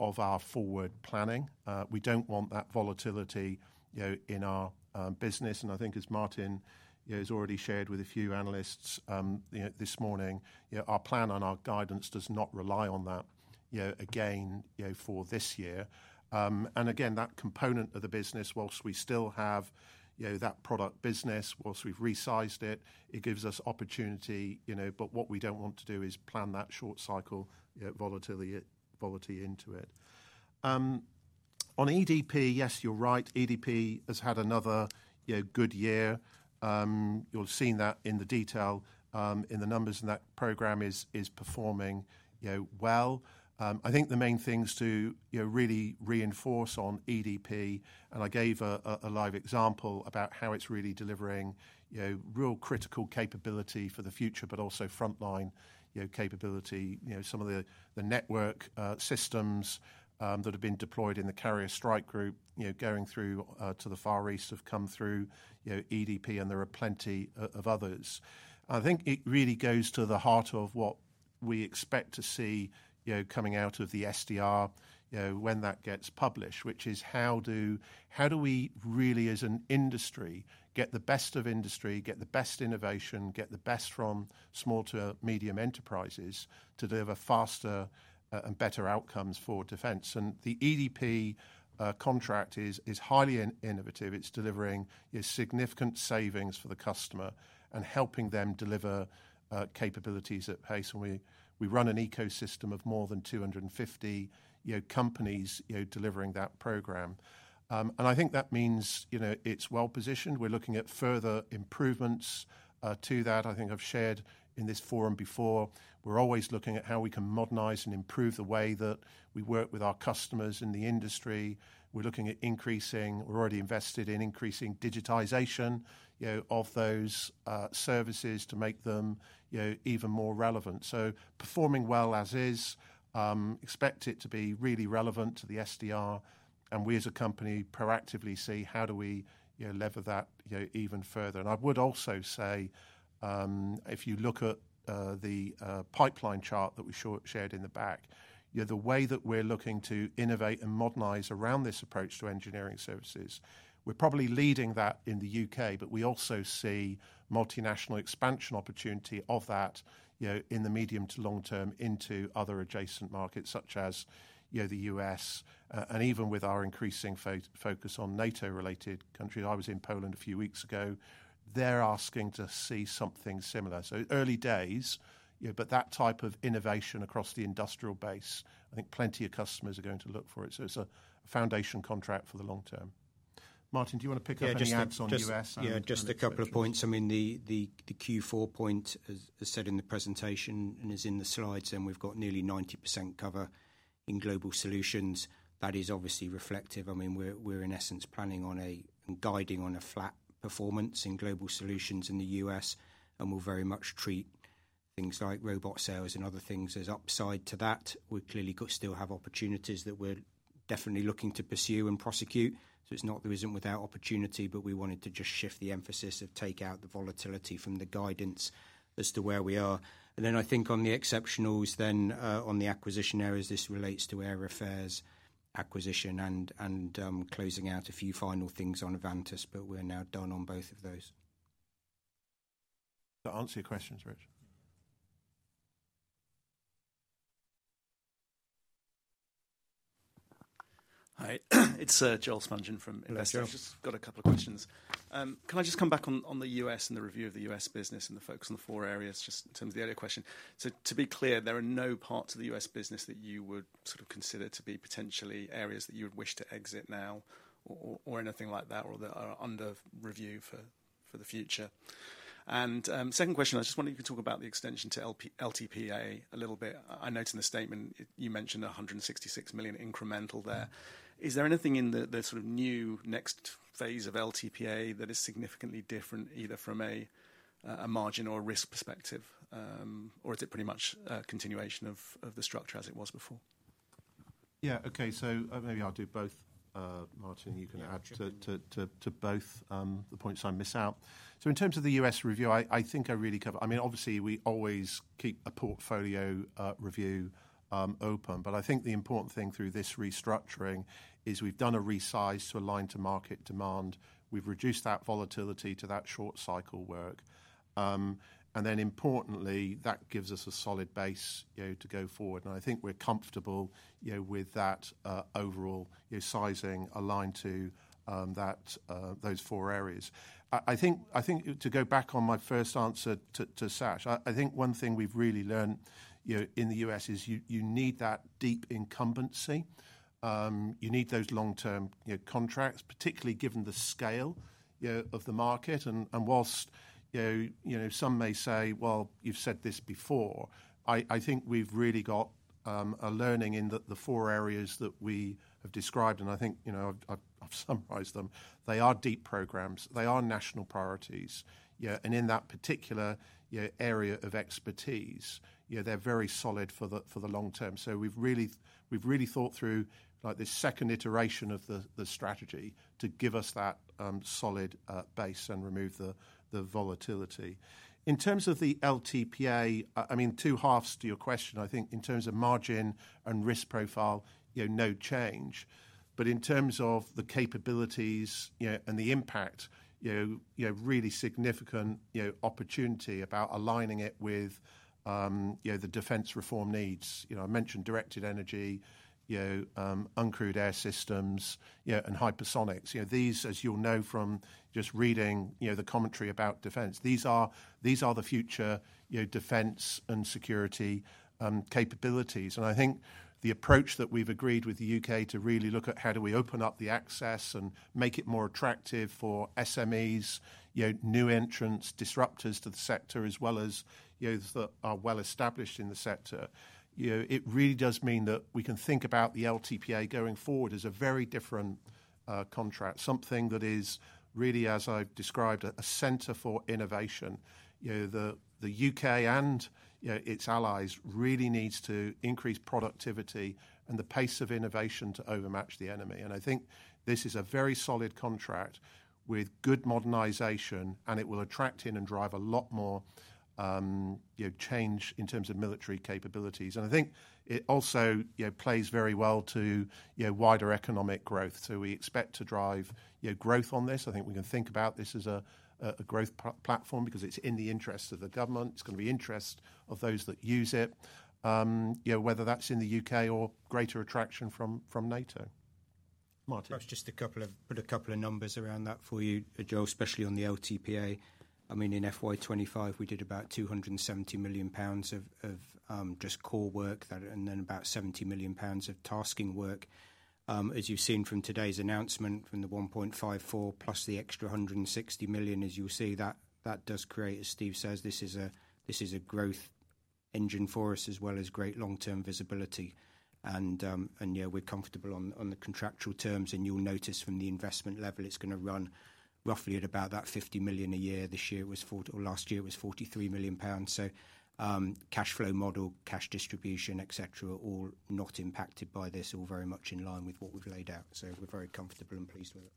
of our forward planning. We do not want that volatility in our business. I think, as Martin has already shared with a few analysts this morning, our plan and our guidance does not rely on that again for this year. Again, that component of the business, whilst we still have that product business, whilst we've resized it, it gives us opportunity. What we do not want to do is plan that short-cycle volatility into it. On EDP, yes, you are right. EDP has had another good year. You will have seen that in the detail in the numbers, and that program is performing well. I think the main things to really reinforce on EDP, and I gave a live example about how it is really delivering real critical capability for the future, but also frontline capability. Some of the network systems that have been deployed in the carrier strike group going through to the Far East have come through EDP, and there are plenty of others. I think it really goes to the heart of what we expect to see coming out of the SDR when that gets published, which is how do we really, as an industry, get the best of industry, get the best innovation, get the best from small to medium enterprises to deliver faster and better outcomes for defense? The EDP contract is highly innovative. It is delivering significant savings for the customer and helping them deliver capabilities at pace. We run an ecosystem of more than 250 companies delivering that program. I think that means it is well positioned. We are looking at further improvements to that. I think I have shared in this forum before. We are always looking at how we can modernize and improve the way that we work with our customers in the industry. We're looking at increasing—we're already invested in increasing digitization of those services to make them even more relevant. Performing well as is, expect it to be really relevant to the SDR, and we as a company proactively see how do we lever that even further. I would also say, if you look at the pipeline chart that we shared in the back, the way that we're looking to innovate and modernize around this approach to engineering services, we're probably leading that in the U.K., but we also see multinational expansion opportunity of that in the medium to long term into other adjacent markets such as the U.S. Even with our increasing focus on NATO-related countries, I was in Poland a few weeks ago, they're asking to see something similar. Early days, but that type of innovation across the industrial base, I think plenty of customers are going to look for it. It is a foundation contract for the long term. Martin, do you want to pick up any ads on U.S.? Yeah, just a couple of points. I mean, the Q4 point, as said in the presentation and is in the slides, and we have got nearly 90% cover in Global Solutions. That is obviously reflective. I mean, we are in essence planning on a—and guiding on a flat performance in Global Solutions in the U.S., and we will very much treat things like robot sales and other things as upside to that. We clearly still have opportunities that we are definitely looking to pursue and prosecute. It is not that we are without opportunity, but we wanted to just shift the emphasis to take out the volatility from the guidance as to where we are. I think on the exceptionals, then on the acquisition areas, this relates to Air Affairs acquisition and closing out a few final things on Avantus, but we are now done on both of those to answer your questions, Rich. Hi, it is Joel Spungin from Investec. Just got a couple of questions. Can I just come back on the U.S. and the review of the U.S. business and the focus on the four areas just in terms of the earlier question? To be clear, there are no parts of the U.S. business that you would sort of consider to be potentially areas that you would wish to exit now or anything like that or that are under review for the future. Second question, I just wanted you to talk about the extension to LTPA a little bit. I noticed in the statement you mentioned 166 million incremental there. Is there anything in the sort of new next phase of LTPA that is significantly different either from a margin or a risk perspective, or is it pretty much a continuation of the structure as it was before? Yeah, okay. Maybe I'll do both, Martin. You can add to both the points I miss out. In terms of the U.S. review, I think I really covered—I mean, obviously, we always keep a portfolio review open, but I think the important thing through this restructuring is we have done a resize to align to market demand. We have reduced that volatility to that short-cycle work. Importantly, that gives us a solid base to go forward. I think we are comfortable with that overall sizing aligned to those four areas. To go back on my first answer to Sash, I think one thing we have really learned in the U.S. is you need that deep incumbency. You need those long-term contracts, particularly given the scale of the market. Whilst some may say, "Well, you have said this before," I think we have really got a learning in the four areas that we have described, and I think I have summarized them. They are deep programs. They are national priorities. In that particular area of expertise, they are very solid for the long term. We have really thought through this second iteration of the strategy to give us that solid base and remove the volatility. In terms of the LTPA, I mean, two halves to your question, I think in terms of margin and risk profile, no change. In terms of the capabilities and the impact, really significant opportunity about aligning it with the defense reform needs. I mentioned directed energy, uncrewed air systems, and hypersonics. These, as you will know from just reading the commentary about defense, these are the future defense and security capabilities. I think the approach that we've agreed with the U.K. to really look at how do we open up the access and make it more attractive for SMEs, new entrants, disruptors to the sector, as well as those that are well established in the sector, it really does mean that we can think about the LTPA going forward as a very different contract, something that is really, as I've described, a center for innovation. The U.K. and its allies really need to increase productivity and the pace of innovation to overmatch the enemy. I think this is a very solid contract with good modernization, and it will attract in and drive a lot more change in terms of military capabilities. I think it also plays very well to wider economic growth. We expect to drive growth on this. I think we can think about this as a growth platform because it's in the interests of the government. It's going to be interests of those that use it, whether that's in the U.K. or greater attraction from NATO. Martin. I was just to put a couple of numbers around that for you, Joel, especially on the LTPA. I mean, in FY2025, we did about 270 million pounds of just core work and then about 70 million pounds of tasking work. As you've seen from today's announcement, from the 1.54 billion plus the extra 160 million, as you'll see, that does create, as Steve says, this is a growth engine for us as well as great long-term visibility. Yeah, we're comfortable on the contractual terms, and you'll notice from the investment level it's going to run roughly at about that 50 million a year. This year it was, or last year it was 43 million pounds. Cash flow model, cash distribution, etc., all not impacted by this, all very much in line with what we have laid out. We are very comfortable and pleased with it.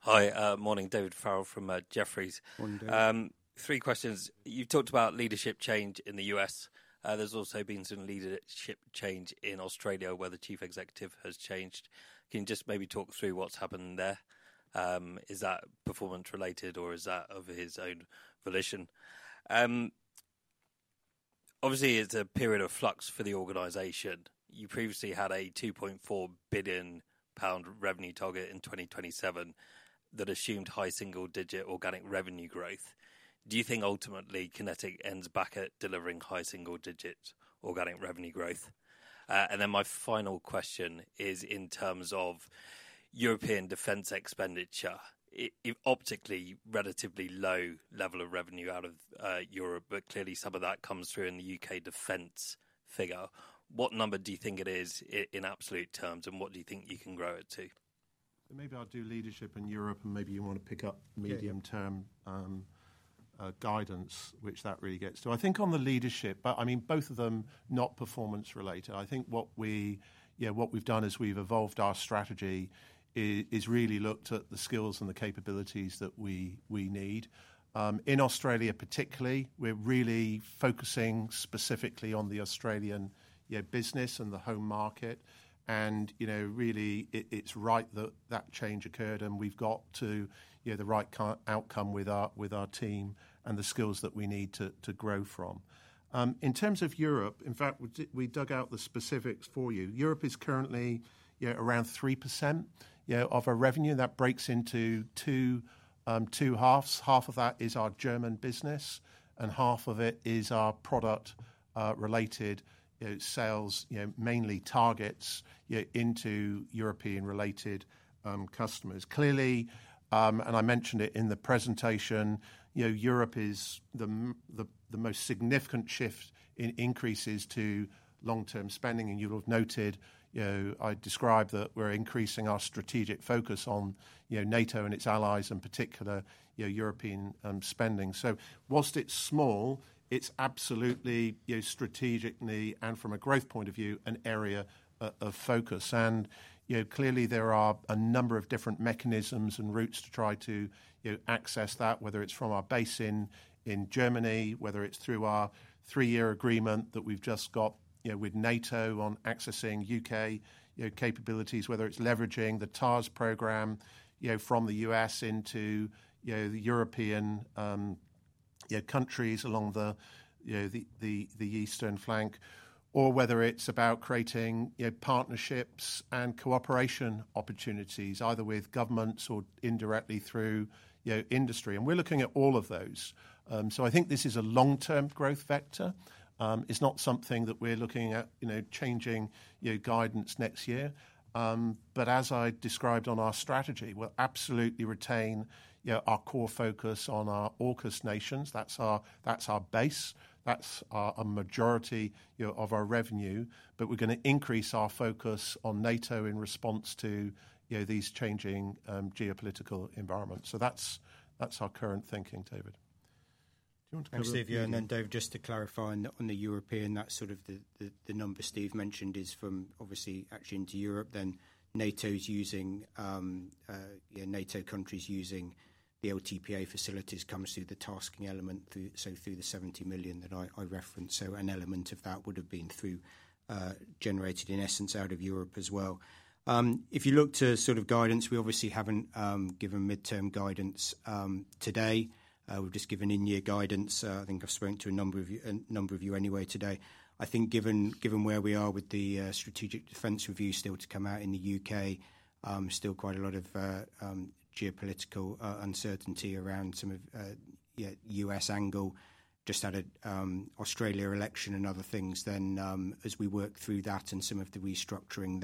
Hi, morning. David Farrell from Jefferies. Morning, David. Three questions. You have talked about leadership change in the U.S. There has also been some leadership change in Australia, where the Chief Executive has changed. Can you just maybe talk through what has happened there? Is that performance related, or is that of his own volition? Obviously, it is a period of flux for the organization. You previously had a 2.4 billion pound revenue target in 2027 that assumed high single-digit organic revenue growth. Do you think ultimately QinetiQ ends back at delivering high single-digit organic revenue growth? My final question is in terms of European defense expenditure, optically relatively low level of revenue out of Europe, but clearly some of that comes through in the U.K. defense figure. What number do you think it is in absolute terms, and what do you think you can grow it to? Maybe I'll do leadership in Europe, and maybe you want to pick up medium-term guidance, which that really gets to. I think on the leadership, but I mean, both of them not performance related. I think what we've done is we've evolved our strategy, really looked at the skills and the capabilities that we need. In Australia, particularly, we're really focusing specifically on the Australian business and the home market. It is right that that change occurred, and we have got to the right outcome with our team and the skills that we need to grow from. In terms of Europe, in fact, we dug out the specifics for you. Europe is currently around 3% of our revenue. That breaks into two halves. Half of that is our German business, and half of it is our product-related sales, mainly targets into European-related customers. Clearly, I mentioned it in the presentation, Europe is the most significant shift in increases to long-term spending. You will have noted I described that we are increasing our strategic focus on NATO and its allies, in particular European spending. Whilst it is small, it is absolutely strategically and from a growth point of view, an area of focus. There are a number of different mechanisms and routes to try to access that, whether it's from our base in Germany, whether it's through our three-year agreement that we've just got with NATO on accessing U.K. capabilities, whether it's leveraging the TARS program from the U.S. into the European countries along the eastern flank, or whether it's about creating partnerships and cooperation opportunities, either with governments or indirectly through industry. We're looking at all of those. I think this is a long-term growth vector. It's not something that we're looking at changing guidance next year. As I described on our strategy, we'll absolutely retain our core focus on our AUKUS nations. That's our base. That's a majority of our revenue. We're going to increase our focus on NATO in response to these changing geopolitical environments. That's our current thinking, David. Do you want to come in? I'm Steve. David, just to clarify on the European, that sort of the number Steve mentioned is from obviously actually into Europe, then NATO's using NATO countries using the LTPA facilities comes through the tasking element through the 70 million that I referenced. An element of that would have been generated in essence out of Europe as well. If you look to sort of guidance, we obviously have not given midterm guidance today. We have just given in-year guidance. I think I have spoken to a number of you anyway today. I think given where we are with the Strategic Defence Review still to come out in the U.K., still quite a lot of geopolitical uncertainty around some of U.S. angle, just had an Australia election and other things. As we work through that and some of the restructuring,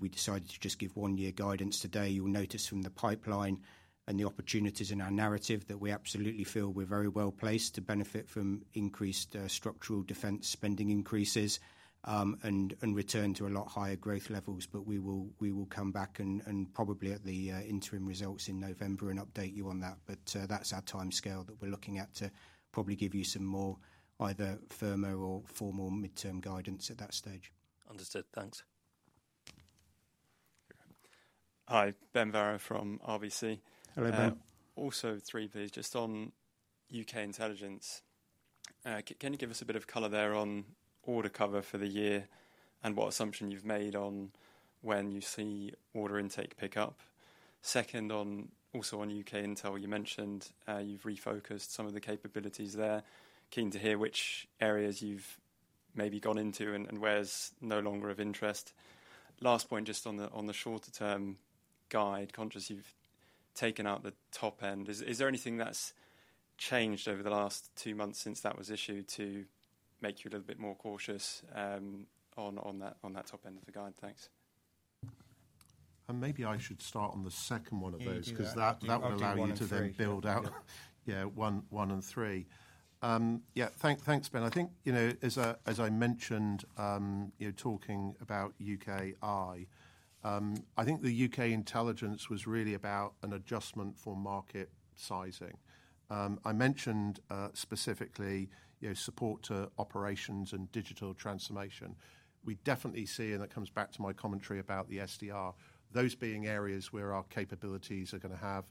we decided to just give one-year guidance today. You'll notice from the pipeline and the opportunities in our narrative that we absolutely feel we're very well placed to benefit from increased structural defense spending increases and return to a lot higher growth levels. We will come back and probably at the interim results in November and update you on that. That's our timescale that we're looking at to probably give you some more either firmer or formal midterm guidance at that stage. Understood. Thanks. Hi, Ben Varo from RBC. Hello, Ben. Also, three piece just on U.K. intelligence. Can you give us a bit of color there on order cover for the year and what assumption you've made on when you see order intake pick up? Second, also on U.K. intel, you mentioned you've refocused some of the capabilities there. Keen to hear which areas you've maybe gone into and where's no longer of interest. Last point, just on the shorter-term guide, conscious you've taken out the top end. Is there anything that's changed over the last two months since that was issued to make you a little bit more cautious on that top end of the guide? Thanks. Maybe I should start on the second one of those because that will allow you to then build out one and three. Yeah, thanks, Ben. I think as I mentioned talking about U.K.I, I think the U.K. intelligence was really about an adjustment for market sizing. I mentioned specifically support to operations and digital transformation. We definitely see, and that comes back to my commentary about the SDR, those being areas where our capabilities are going to have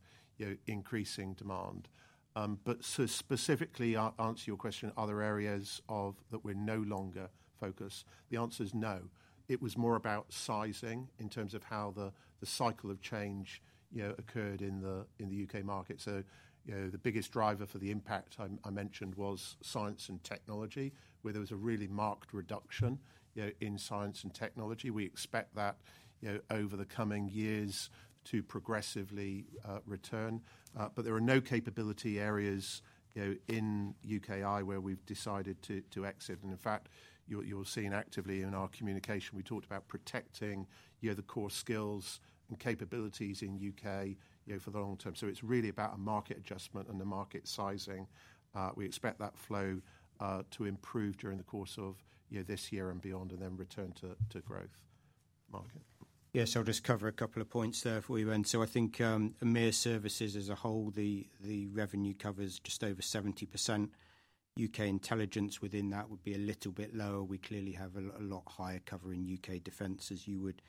increasing demand. To specifically answer your question, are there areas that we're no longer focused? The answer is no. It was more about sizing in terms of how the cycle of change occurred in the U.K. market. The biggest driver for the impact I mentioned was science and technology, where there was a really marked reduction in science and technology. We expect that over the coming years to progressively return. There are no capability areas in U.K. where we've decided to exit. In fact, you'll see actively in our communication, we talked about protecting the core skills and capabilities in U.K. for the long term. It's really about a market adjustment and the market sizing. We expect that flow to improve during the course of this year and beyond and then return to growth market. Yes, I'll just cover a couple of points there for you. I think EMEA services as a whole, the revenue covers just over 70%. U.K. intelligence within that would be a little bit lower. We clearly have a lot higher cover in U.K. defense as you would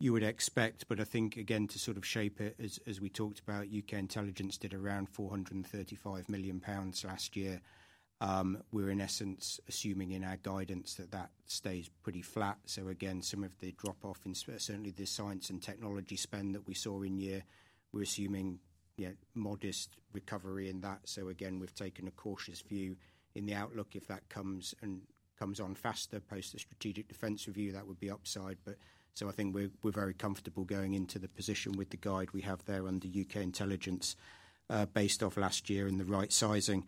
expect. I think, again, to sort of shape it, as we talked about, U.K. intelligence did around 435 million pounds last year. We're in essence assuming in our guidance that that stays pretty flat. Again, some of the drop-off in certainly the science and technology spend that we saw in year, we're assuming modest recovery in that. Again, we've taken a cautious view in the outlook. If that comes on faster post the Strategic Defence Review, that would be upside. I think we're very comfortable going into the position with the guide we have there under U.K. intelligence based off last year and the right sizing.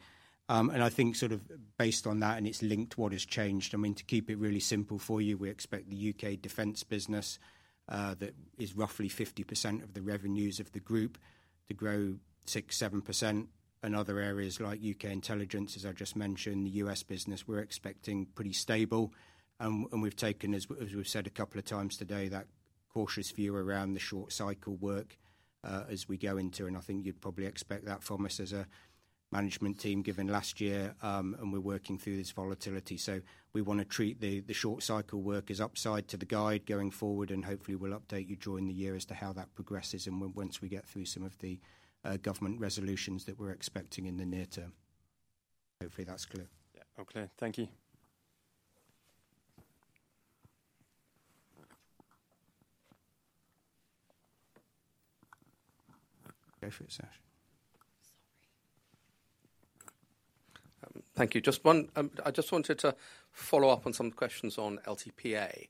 I think sort of based on that and it's linked to what has changed, I mean, to keep it really simple for you, we expect the U.K. defense business that is roughly 50% of the revenues of the group to grow 6%-7%. Other areas like U.K. intelligence, as I just mentioned, the U.S. business, we're expecting pretty stable. We've taken, as we've said a couple of times today, that cautious view around the short cycle work as we go into. I think you'd probably expect that from us as a management team given last year, and we're working through this volatility. We want to treat the short cycle work as upside to the guide going forward, and hopefully we'll update you during the year as to how that progresses and once we get through some of the government resolutions that we're expecting in the near term. Hopefully that's clear. Yeah. Okay. Thank you. Go for it, Sash. Sorry. Thank you. I just wanted to follow up on some questions on LTPA.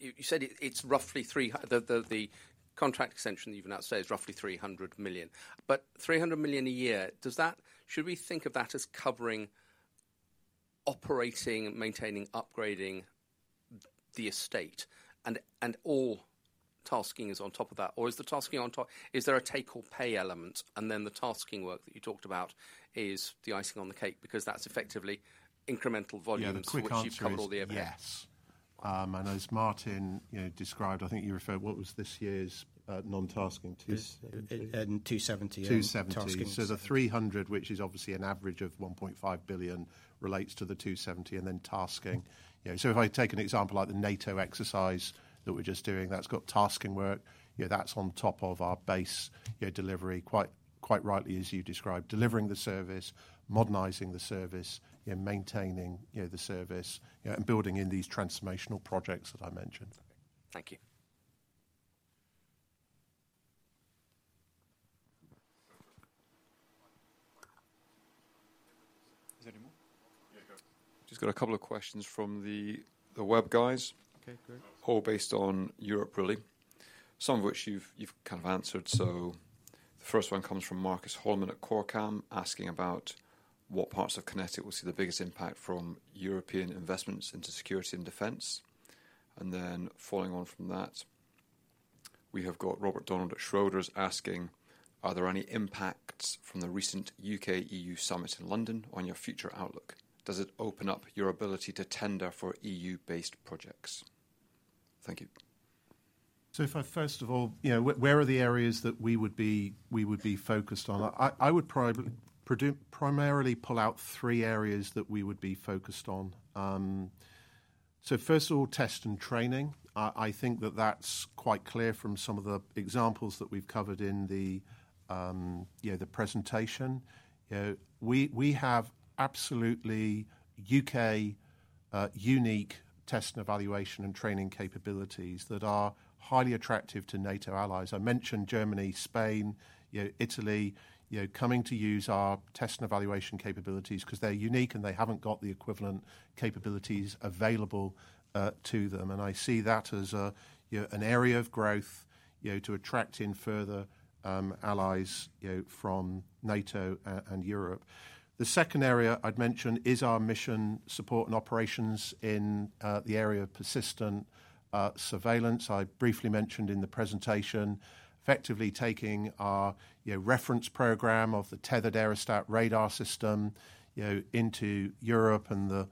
You said it's roughly 300 million, the contract extension that you've announced today is roughly 300 million. But 300 million a year, should we think of that as covering operating, maintaining, upgrading the estate and all tasking is on top of that? Or is the tasking on top, is there a take or pay element? The tasking work that you talked about is the icing on the cake because that is effectively incremental volume and quick wins. You have covered all the areas. Yes. As Martin described, I think you referred, what was this year's non-tasking? 270. 270. Tasking. The 300, which is obviously an average of $1.5 billion, relates to the 270 and then tasking. If I take an example like the NATO exercise that we are just doing, that has tasking work, that is on top of our base delivery, quite rightly as you described, delivering the service, modernizing the service, maintaining the service, and building in these transformational projects that I mentioned. Thank you. Is there any more? Yeah, go. Just got a couple of questions from the web guys. Okay, great. All based on Europe, really. Some of which you have kind of answered. The first one comes from Marcus Hollmen at Corecam asking about what parts of QinetiQ will see the biggest impact from European investments into security and defense. Following on from that, we have Robert Donald at Schroders asking, are there any impacts from the recent U.K.-EU summit in London on your future outlook? Does it open up your ability to tender for EU-based projects? Thank you. If I first of all, where are the areas that we would be focused on? I would primarily pull out three areas that we would be focused on. First of all, test and training. I think that that's quite clear from some of the examples that we've covered in the presentation. We have absolutely U.K.-unique test and evaluation and training capabilities that are highly attractive to NATO allies. I mentioned Germany, Spain, Italy coming to use our test and evaluation capabilities because they're unique and they haven't got the equivalent capabilities available to them. I see that as an area of growth to attract in further allies from NATO and Europe. The second area I'd mention is our mission support and operations in the area of persistent surveillance. I briefly mentioned in the presentation, effectively taking our reference program of the Tethered Aerostat Radar System into Europe and the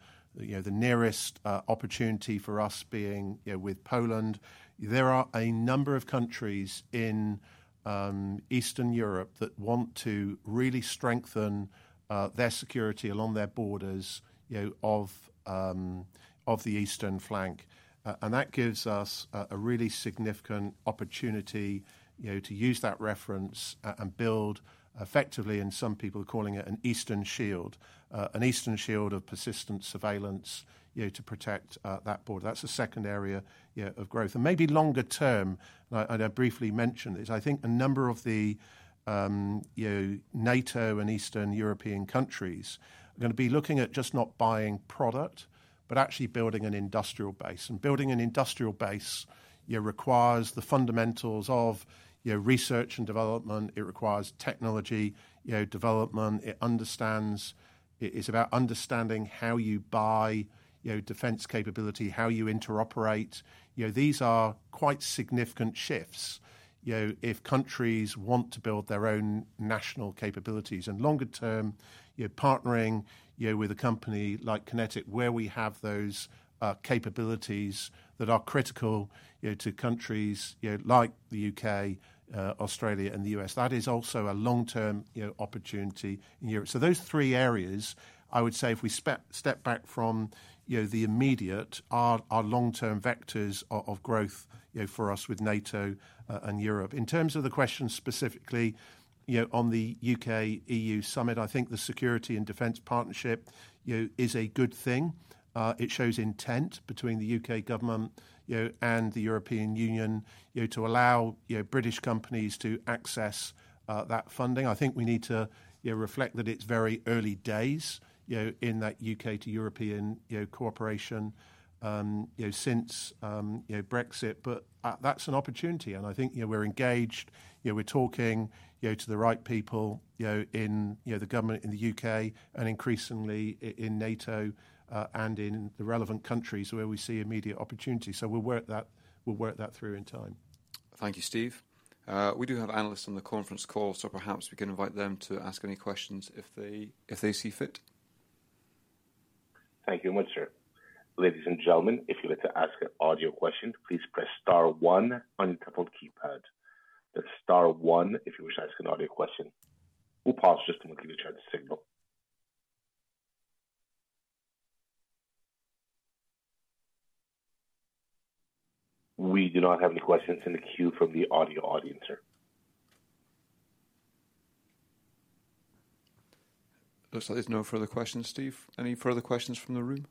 nearest opportunity for us being with Poland. There are a number of countries in Eastern Europe that want to really strengthen their security along their borders of the eastern flank. That gives us a really significant opportunity to use that reference and build effectively, and some people are calling it an Eastern Shield, an Eastern Shield of persistent surveillance to protect that border. That's the second area of growth. Maybe longer term, and I briefly mentioned this, I think a number of the NATO and Eastern European countries are going to be looking at just not buying product, but actually building an industrial base. Building an industrial base requires the fundamentals of research and development. It requires technology development. It's about understanding how you buy defense capability, how you interoperate. These are quite significant shifts if countries want to build their own national capabilities. Longer term, partnering with a company like QinetiQ, where we have those capabilities that are critical to countries like the U.K., Australia, and the U.S., that is also a long-term opportunity in Europe. Those three areas, I would say if we step back from the immediate, are long-term vectors of growth for us with NATO and Europe. In terms of the question specifically on the U.K.-EU summit, I think the security and defence partnership is a good thing. It shows intent between the U.K. government and the European Union to allow British companies to access that funding. I think we need to reflect that it's very early days in that U.K. to European cooperation since Brexit. That is an opportunity. I think we're engaged. We're talking to the right people in the government in the U.K. and increasingly in NATO and in the relevant countries where we see immediate opportunity. We will work that through in time. Thank you, Steve. We do have analysts on the conference call, so perhaps we can invite them to ask any questions if they see fit. Thank you very much, sir. Ladies and gentlemen, if you'd like to ask an audio question, please press star one on your tablet keypad. That's star one if you wish to ask an audio question. We'll pause just a moment to give the chance to signal. We do not have any questions in the queue from the audio audience, sir. Looks like there's no further questions, Steve. Any further questions from the room?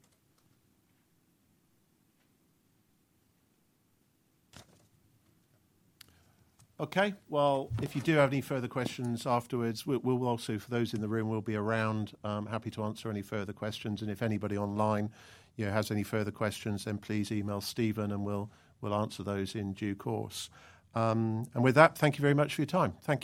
Okay. If you do have any further questions afterwards, we'll also, for those in the room, we'll be around, happy to answer any further questions. If anybody online has any further questions, then please email Stephen and we'll answer those in due course. With that, thank you very much for your time. Thank you.